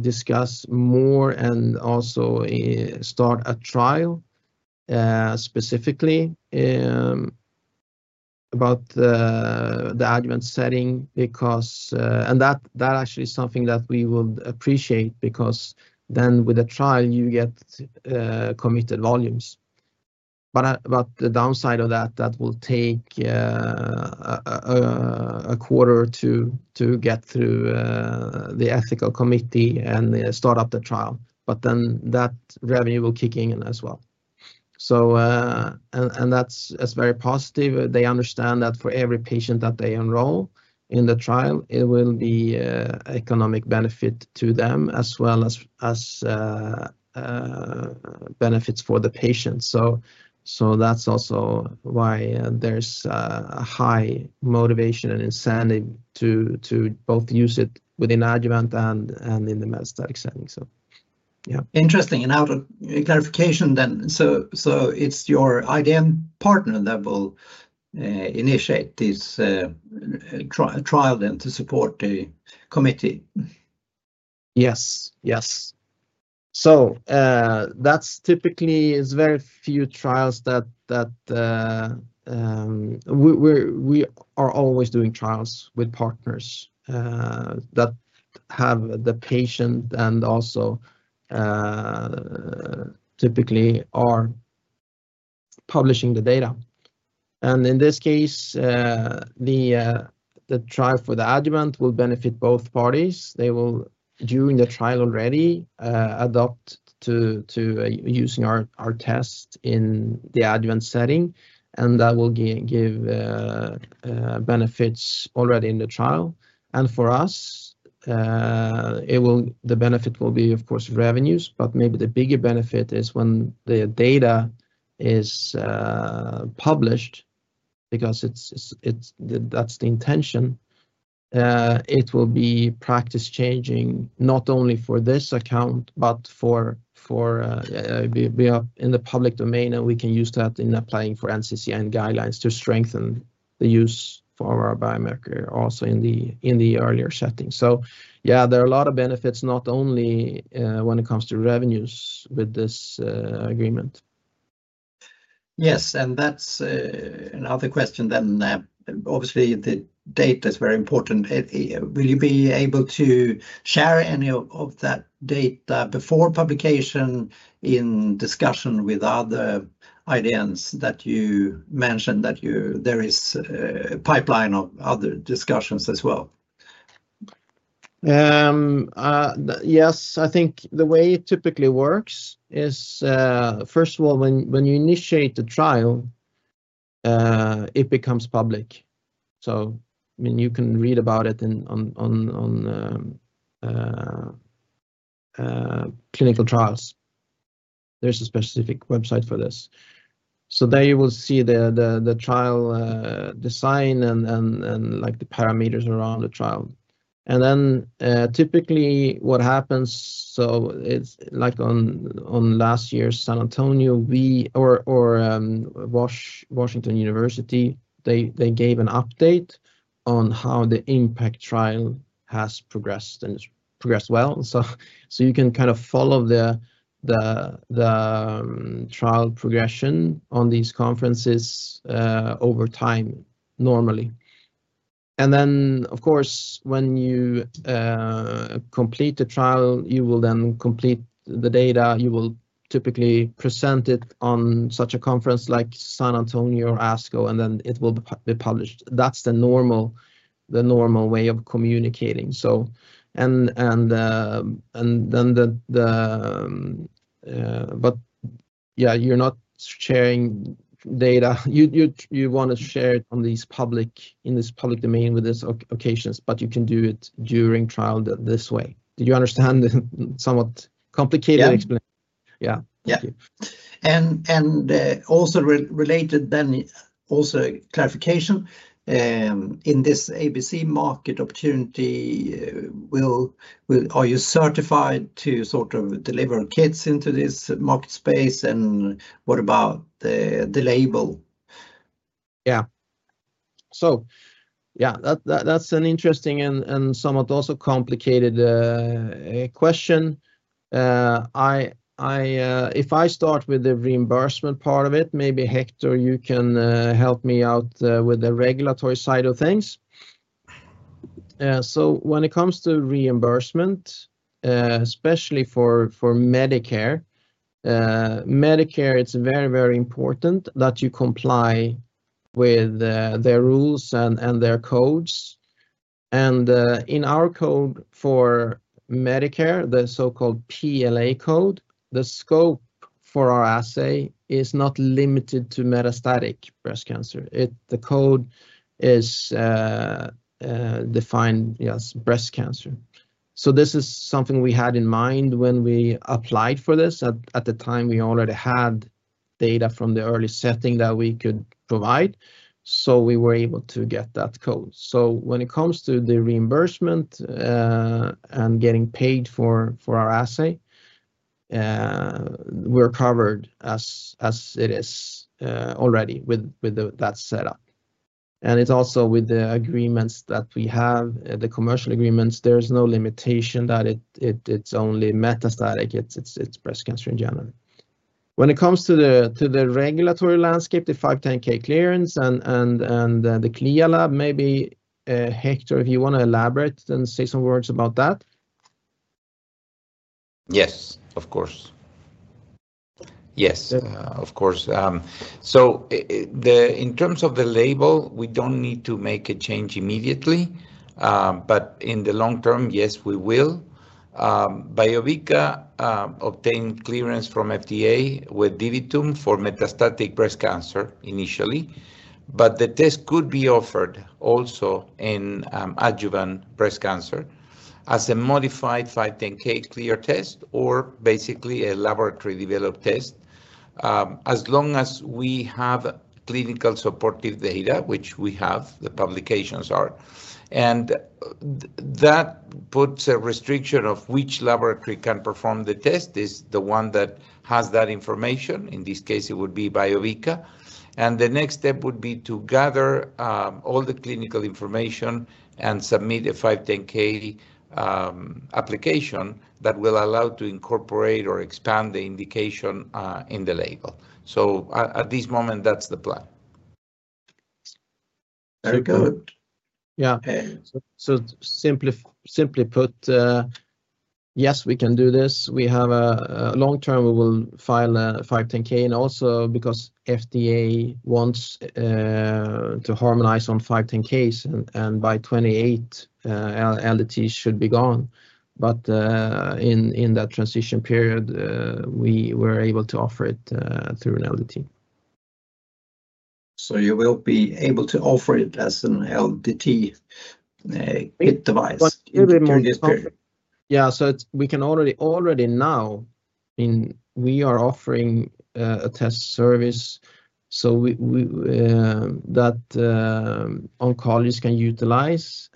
discuss more and also start a trial specifically about the adjuvant setting because and that actually is something that we would appreciate because then with a trial, you get committed volumes. But the downside of that, that will take a quarter to get through the ethical committee and start up the trial. But then that revenue will kick in as well. And that's very positive. They understand that for every patient that they enroll in the trial, it will be an economic benefit to them as well as benefits for the patients. So that's also why there's a high motivation and incentive to both use it within adjuvant and in the metastatic setting. So yeah. Interesting. And now for clarification then, so it's your IDN partner that will initiate this trial then to support the committee? Yes. Yes. So that's typically very few trials that we are always doing trials with partners that have the patient and also typically are publishing the data. And in this case, the trial for the adjuvant will benefit both parties. They will, during the trial already, adopt to using our test in the adjuvant setting. And that will give benefits already in the trial. And for us, the benefit will be, of course, revenues. But maybe the bigger benefit is when the data is published because that's the intention. It will be practice-changing not only for this account, but for we are in the public domain and we can use that in applying for NCCN Guidelines to strengthen the use for our biomarker also in the earlier setting. So yeah, there are a lot of benefits not only when it comes to revenues with this agreement. Yes. And that's another question then. Obviously, the data is very important. Will you be able to share any of that data before publication in discussion with other IDNs that you mentioned that there is a pipeline of other discussions as well? Yes. I think the way it typically works is, first of all, when you initiate the trial, it becomes public. So I mean, you can read about it on clinical trials. There's a specific website for this, so there you will see the trial design and the parameters around the trial, and then typically what happens, so like on last year's San Antonio or Washington University, they gave an update on how the IMPACT trial has progressed and it's progressed well, so you can kind of follow the trial progression on these conferences over time normally, and then, of course, when you complete the trial, you will then complete the data. You will typically present it on such a conference like San Antonio or ASCO, and then it will be published. That's the normal way of communicating, and then the but yeah, you're not sharing data. You want to share it in this public domain with these occasions, but you can do it during trial this way. Did you understand the somewhat complicated explanation? Yeah. Yeah. Thank you. And also related then, also clarification, in this ABC market opportunity, are you certified to sort of deliver kits into this market space? And what about the label? Yeah. So yeah, that's an interesting and somewhat also complicated question. If I start with the reimbursement part of it, maybe Hector, you can help me out with the regulatory side of things. So when it comes to reimbursement, especially for Medicare, Medicare, it's very, very important that you comply with their rules and their codes. And in our code for Medicare, the so-called PLA code, the scope for our assay is not limited to metastatic breast cancer. The code is defined as breast cancer. So this is something we had in mind when we applied for this. At the time, we already had data from the early setting that we could provide. So we were able to get that code. When it comes to the reimbursement and getting paid for our assay, we're covered as it is already with that setup. And it's also with the agreements that we have, the commercial agreements, there's no limitation that it's only metastatic. It's breast cancer in general. When it comes to the regulatory landscape, the 510(k) clearance and the CLIA lab, maybe Hector, if you want to elaborate and say some words about that. Yes, of course. So in terms of the label, we don't need to make a change immediately. But in the long term, yes, we will. Biovica obtained clearance from FDA with Divitum for metastatic breast cancer initially. But the test could be offered also in adjuvant breast cancer as a modified 510(k) cleared test or basically a laboratory-developed test as long as we have clinical supportive data, which we have, the publications are. And that puts a restriction of which laboratory can perform the test is the one that has that information. In this case, it would be Biovica. And the next step would be to gather all the clinical information and submit a 510(k) application that will allow to incorporate or expand the indication in the label. So at this moment, that's the plan. Very good. Yeah. So simply put, yes, we can do this. We have a long-term, we will file a 510(k) and also because FDA wants to harmonize on 510(k)s and by 2028, LDTs should be gone. But in that transition period, we were able to offer it through an LDT. So you will be able to offer it as an LDT kit device during this period? Yeah. So we can already now, I mean, we are offering a test service so that oncologists can utilize.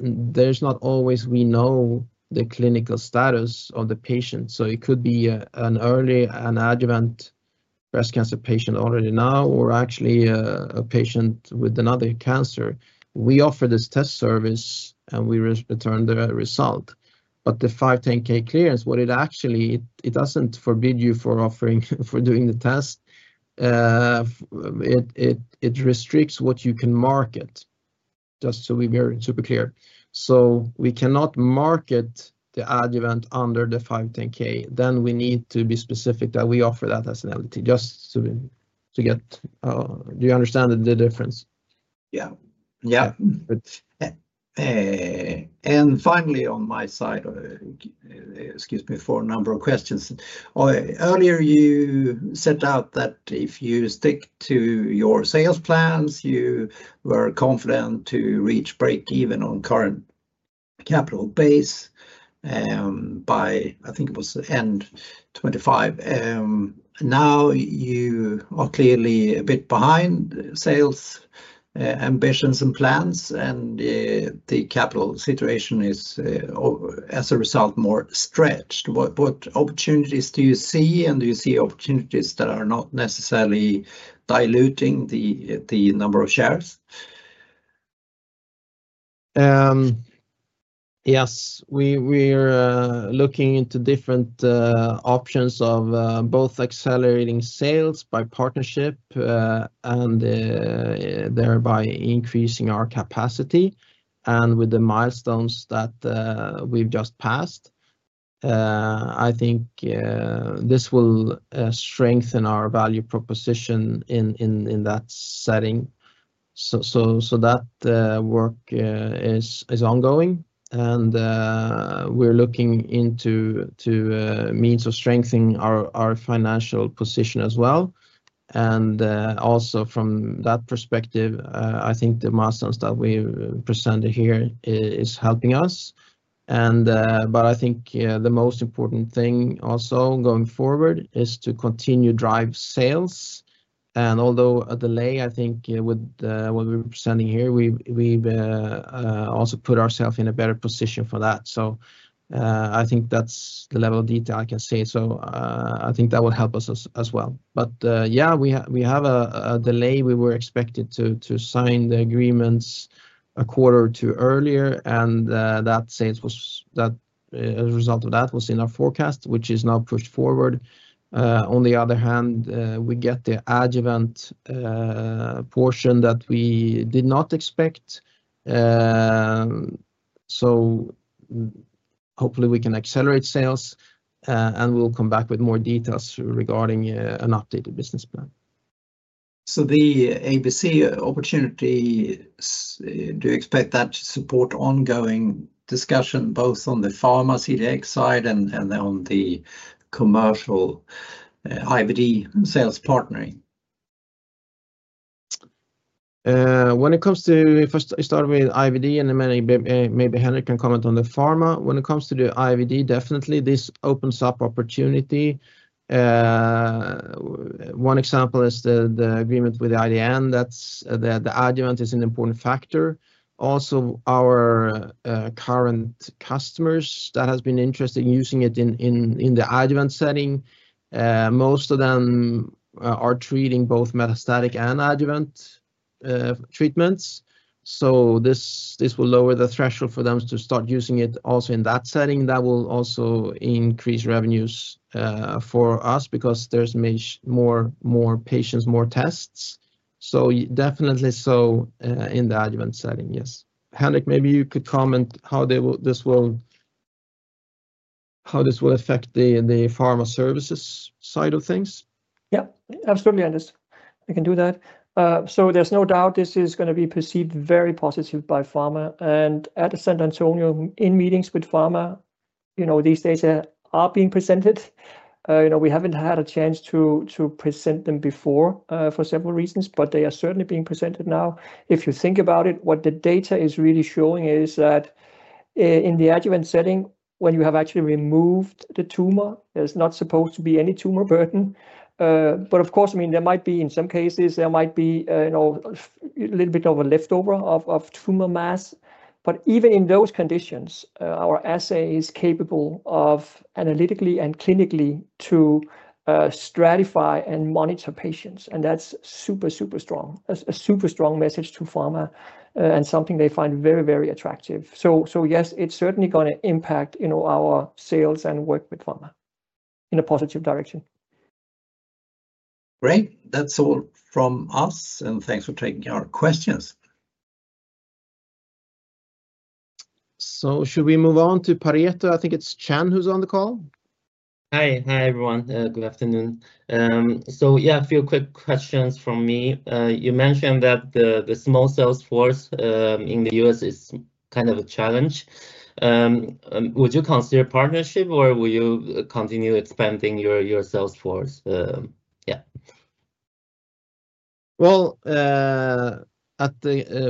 There's not always, we know, the clinical status of the patient. So it could be an early adjuvant breast cancer patient already now or actually a patient with another cancer. We offer this test service and we return the result. But the 510(k) clearance, what it actually does, it doesn't forbid you from offering or doing the test. It restricts what you can market, just so we're super clear. So we cannot market the adjuvant under the 510(k). Then we need to be specific that we offer that as an LDT just to get. Do you understand the difference? Yeah. Yeah. Finally, on my side, excuse me for a number of questions. Earlier, you set out that if you stick to your sales plans, you were confident to reach break-even on current capital base by, I think it was end 2025. Now you are clearly a bit behind sales ambitions and plans, and the capital situation is, as a result, more stretched. What opportunities do you see? And do you see opportunities that are not necessarily diluting the number of shares? Yes. We're looking into different options of both accelerating sales by partnership and thereby increasing our capacity. And with the milestones that we've just passed, I think this will strengthen our value proposition in that setting. So that work is ongoing. And we're looking into means of strengthening our financial position as well. And also from that perspective, I think the milestones that we presented here are helping us. But I think the most important thing also going forward is to continue to drive sales. And although a delay, I think with what we're presenting here, we've also put ourselves in a better position for that. So I think that's the level of detail I can say. So I think that will help us as well. But yeah, we have a delay. We were expected to sign the agreements a quarter or two earlier. And the sales that as a result of that was in our forecast, which is now pushed forward. On the other hand, we get the adjuvant portion that we did not expect. So hopefully, we can accelerate sales. And we'll come back with more details regarding an updated business plan. So the ABC opportunity, do you expect that to support ongoing discussion both on the pharmaceutical side and on the commercial IVD sales partnering? When it comes to first, I start with IVD, and then maybe Henrik can comment on the pharma. When it comes to the IVD, definitely this opens up opportunity. One example is the agreement with the IDN that the adjuvant is an important factor. Also, our current customers that have been interested in using it in the adjuvant setting, most of them are treating both metastatic and adjuvant treatments. So this will lower the threshold for them to start using it also in that setting. That will also increase revenues for us because there's more patients, more tests. So definitely so in the adjuvant setting, yes. Henrik, maybe you could comment how this will affect the pharma services side of things? Yep. Absolutely. I can do that. So there's no doubt this is going to be perceived very positive by pharma. And at San Antonio, in meetings with pharma, these data are being presented. We haven't had a chance to present them before for several reasons, but they are certainly being presented now. If you think about it, what the data is really showing is that in the adjuvant setting, when you have actually removed the tumor, there's not supposed to be any tumor burden. But of course, I mean, there might be in some cases, there might be a little bit of a leftover of tumor mass. But even in those conditions, our assay is capable of analytically and clinically to stratify and monitor patients. And that's super, super strong, a super strong message to pharma and something they find very, very attractive. So yes, it's certainly going to impact our sales and work with pharma in a positive direction. Great. That's all from us. And thanks for taking our questions. So should we move on to Pareto? I think it's Chen who's on the call. Hi. Hi everyone. Good afternoon. So yeah, a few quick questions from me. You mentioned that the small sales force in the U.S. is kind of a challenge. Would you consider partnership or will you continue expanding your sales force? Yeah. Well,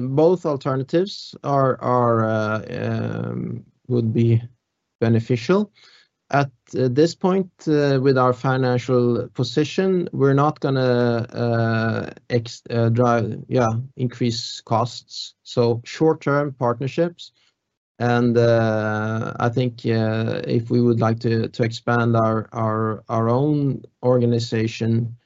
both alternatives would be beneficial. At this point, with our financial position, we're not going to drive, yeah, increase costs, so short-term partnerships. I think if we would like to expand our own organization,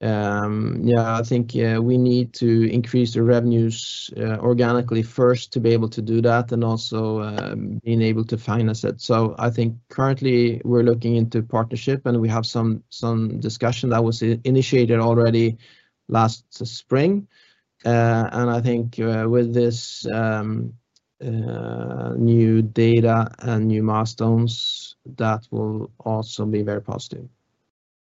yeah, I think we need to increase the revenues organically first to be able to do that and also being able to finance it, so I think currently we're looking into partnership, and we have some discussion that was initiated already last spring. I think with this new data and new milestones, that will also be very positive.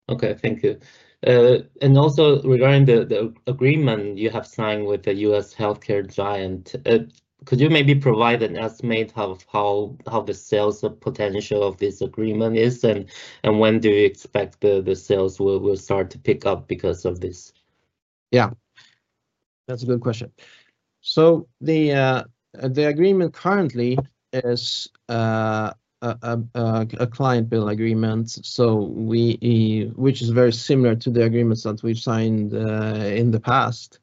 Okay. Thank you. And also regarding the agreement you have signed with the U.S. healthcare giant, could you maybe provide an estimate of how the sales potential of this agreement is? And when do you expect the sales will start to pick up because of this? Yeah. That's a good question. So the agreement currently is a client bill agreement, which is very similar to the agreements that we've signed in the past.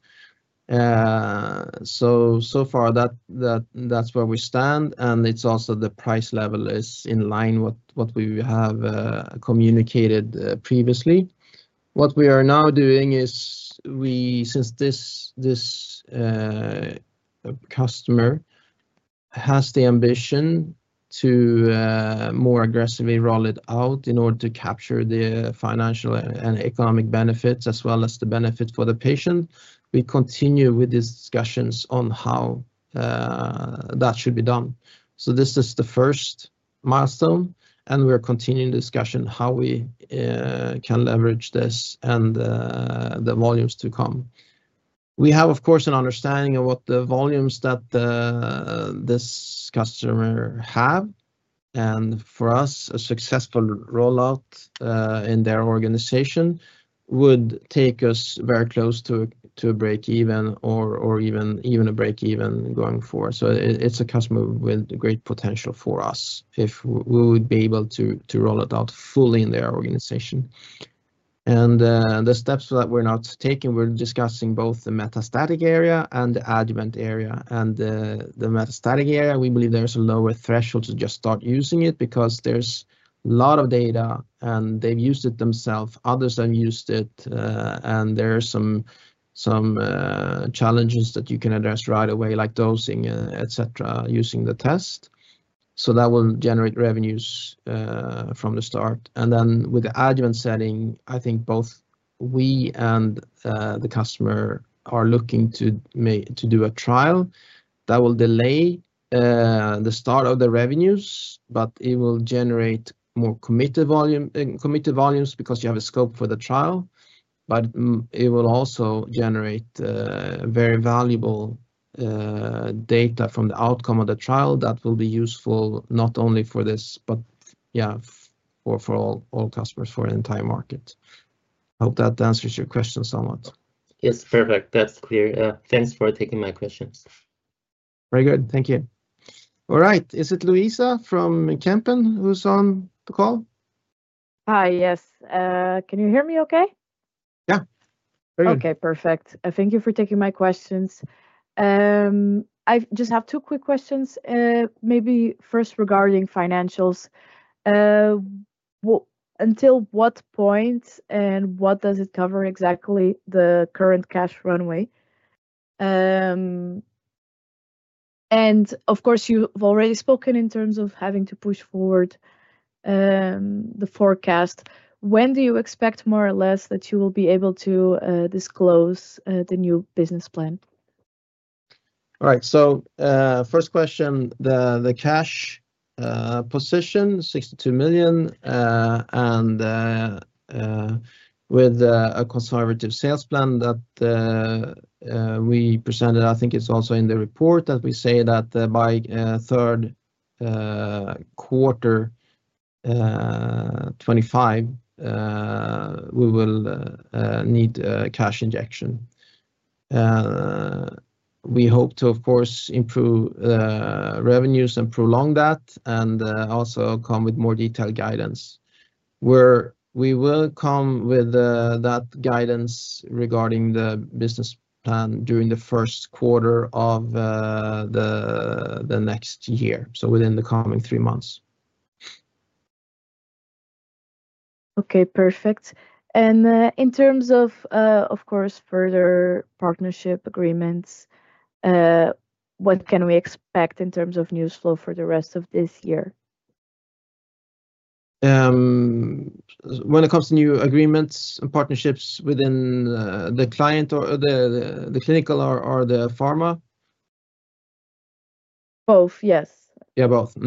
So far, that's where we stand. And it's also the price level is in line with what we have communicated previously. What we are now doing is since this customer has the ambition to more aggressively roll it out in order to capture the financial and economic benefits as well as the benefit for the patient, we continue with these discussions on how that should be done. So this is the first milestone. And we're continuing the discussion how we can leverage this and the volumes to come. We have, of course, an understanding of what the volumes that this customer have. And for us, a successful rollout in their organization would take us very close to a break-even or even a break-even going forward. So it's a customer with great potential for us if we would be able to roll it out fully in their organization. And the steps that we're not taking, we're discussing both the metastatic area and the adjuvant area. And the metastatic area, we believe there's a lower threshold to just start using it because there's a lot of data, and they've used it themselves, others have used it. And there are some challenges that you can address right away, like dosing, etc., using the test. So that will generate revenues from the start. And then with the adjuvant setting, I think both we and the customer are looking to do a trial that will delay the start of the revenues, but it will generate more committed volumes because you have a scope for the trial. But it will also generate very valuable data from the outcome of the trial that will be useful not only for this, but yeah, for all customers for the entire market. I hope that answers your question somewhat. Yes. Perfect. That's clear. Thanks for taking my questions. Very good. Thank you. All right. Is it Luisa from Kempen who's on the call? Hi. Yes. Can you hear me okay? Yeah. Very good. Okay. Perfect. Thank you for taking my questions. I just have two quick questions, maybe first regarding financials. Until what point and what does it cover exactly the current cash runway? Of course, you've already spoken in terms of having to push forward the forecast. When do you expect more or less that you will be able to disclose the new business plan? All right. First question, the cash position, SEK 62 million. With a conservative sales plan that we presented, I think it's also in the report that we say that by Q3 2025, we will need a cash injection. We hope to, of course, improve revenues and prolong that and also come with more detailed guidance. We will come with that guidance regarding the business plan during the Q1 of the next year, so within the coming three months. Okay. Perfect. In terms of, of course, further partnership agreements, what can we expect in terms of new flow for the rest of this year? When it comes to new agreements and partnerships within the client billing or the clinical or the pharma? Both, yes. Yeah, both.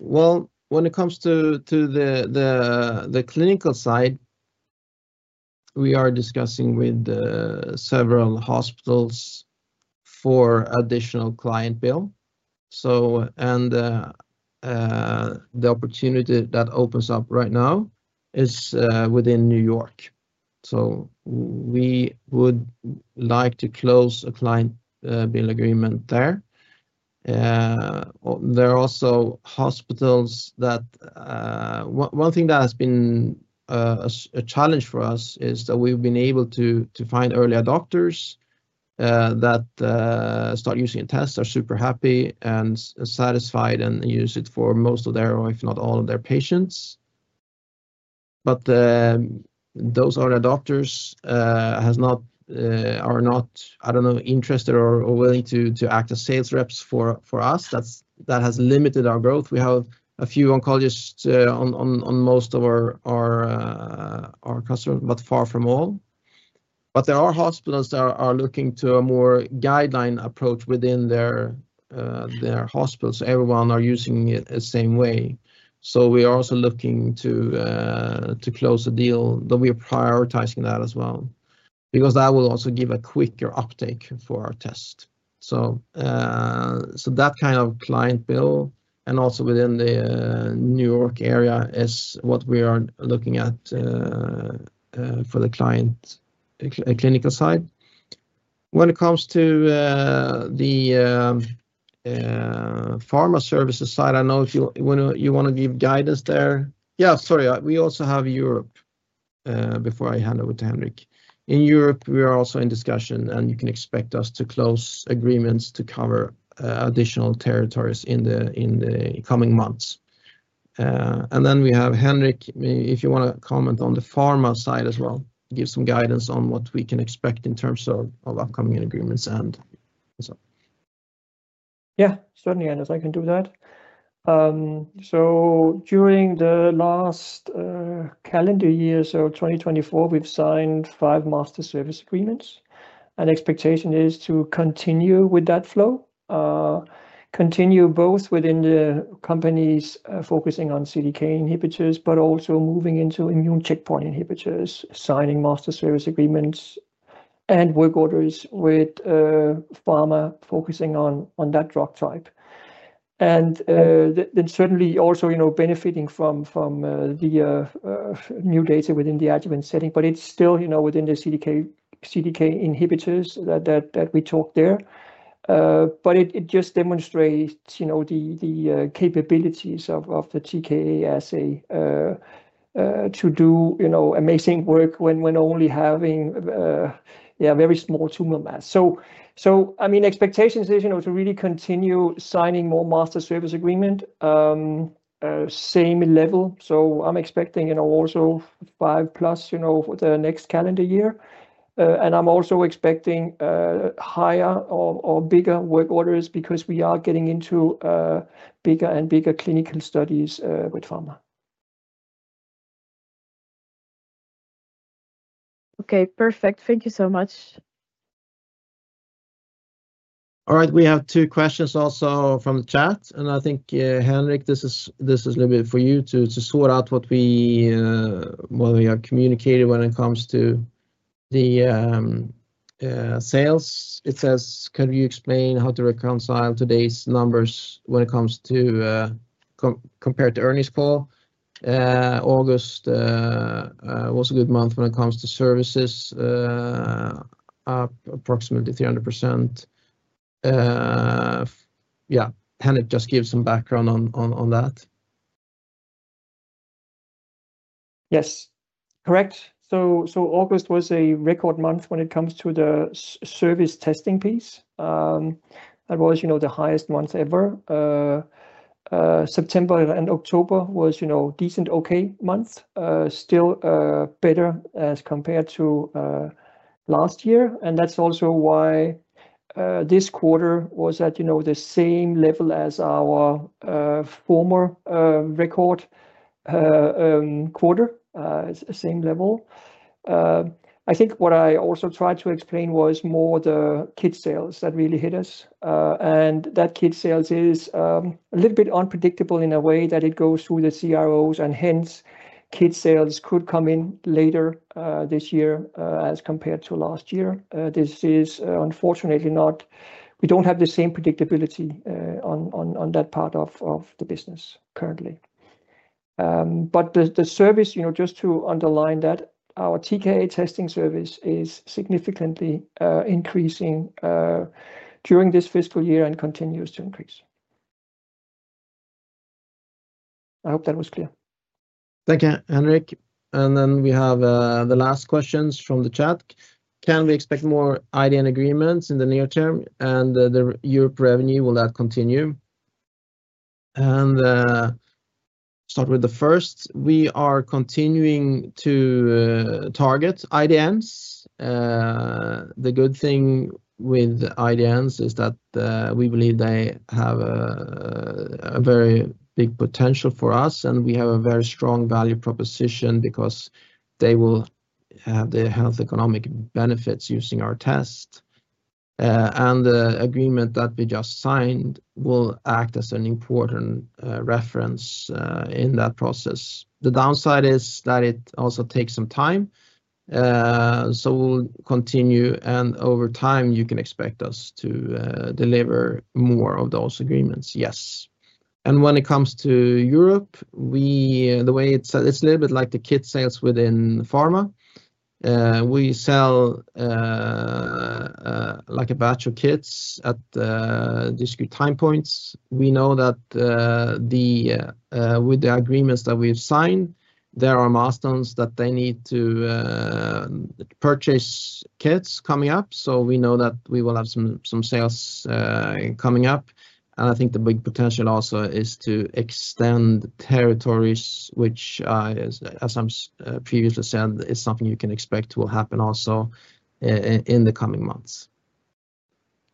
Well, when it comes to the clinical side, we are discussing with several hospitals for additional client billing. And the opportunity that opens up right now is within New York. So we would like to close a client billing agreement there. There are also hospitals. One thing that has been a challenge for us is that we've been able to find early adopters that start using tests, are super happy and satisfied and use it for most of their, or if not all of their patients. But those early adopters are not, I don't know, interested or willing to act as sales reps for us. That has limited our growth. We have a few oncologists on most of our customers, but far from all. But there are hospitals that are looking to a more guideline approach within their hospitals. Everyone is using it the same way. So we are also looking to close a deal. We are prioritizing that as well because that will also give a quicker uptake for our test. So that kind of client bill and also within the New York area is what we are looking at for the client clinical side. When it comes to the pharma services side, I know you want to give guidance there. Yeah. Sorry. We also have Europe before I hand over to Henrik. In Europe, we are also in discussion, and you can expect us to close agreements to cover additional territories in the coming months. Then we have Henrik, if you want to comment on the pharma side as well, give some guidance on what we can expect in terms of upcoming agreements and so. Yeah. Certainly, I can do that. During the last calendar year, 2024, we have signed five master service agreements. The expectation is to continue with that flow, continue both within the companies focusing on CDK inhibitors, but also moving into immune checkpoint inhibitors, signing master service agreements, and work orders with pharma focusing on that drug type. Then certainly also benefiting from the new data within the adjuvant setting. But it is still within the CDK inhibitors that we talked there. But it just demonstrates the capabilities of the TKa assay to do amazing work when only having very small tumor mass. So I mean, the expectation is to really continue signing more master service agreements, same level. So I'm expecting also five plus for the next calendar year. And I'm also expecting higher or bigger work orders because we are getting into bigger and bigger clinical studies with pharma. Okay. Perfect. Thank you so much. All right. We have two questions also from the chat. And I think, Henrik, this is a little bit for you to sort out what we have communicated when it comes to the sales. It says, "Could you explain how to reconcile today's numbers when it comes to compared to earnings call? August was a good month when it comes to services, up approximately 300%." Yeah. Can it just give some background on that? Yes. Correct. So August was a record month when it comes to the service testing piece. That was the highest month ever. September and October was a decent, okay month, still better as compared to last year, and that's also why this quarter was at the same level as our former record quarter, same level. I think what I also tried to explain was more the kit sales that really hit us, and that kit sales is a little bit unpredictable in a way that it goes through the CROs. And hence, kit sales could come in later this year as compared to last year. This is unfortunately not. We don't have the same predictability on that part of the business currently. But the service, just to underline that, our TKa testing service is significantly increasing during this fiscal year and continues to increase. I hope that was clear. Thank you, Henrik. And then we have the last questions from the chat. Can we expect more IDN agreements in the near term? And the Europe revenue, will that continue? And start with the first. We are continuing to target IDNs. The good thing with IDNs is that we believe they have a very big potential for us. And we have a very strong value proposition because they will have the health economic benefits using our test. And the agreement that we just signed will act as an important reference in that process. The downside is that it also takes some time. So we'll continue. And over time, you can expect us to deliver more of those agreements, yes. And when it comes to Europe, the way it's a little bit like the kit sales within pharma. We sell a batch of kits at discrete time points. We know that with the agreements that we've signed, there are milestones that they need to purchase kits coming up. So we know that we will have some sales coming up. And I think the big potential also is to extend territories, which, as I've previously said, is something you can expect will happen also in the coming months.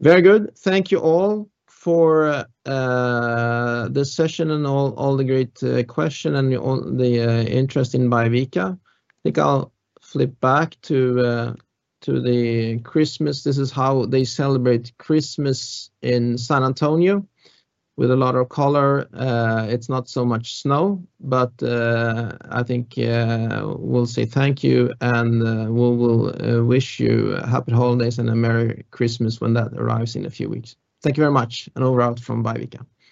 Very good. Thank you all for this session and all the great questions and the interest in Biovica. I think I'll flip back to the Christmas. This is how they celebrate Christmas in San Antonio with a lot of color. It's not so much snow, but I think we'll say thank you, and we'll wish you happy holidays and a Merry Christmas when that arrives in a few weeks. Thank you very much and overall from Biovica.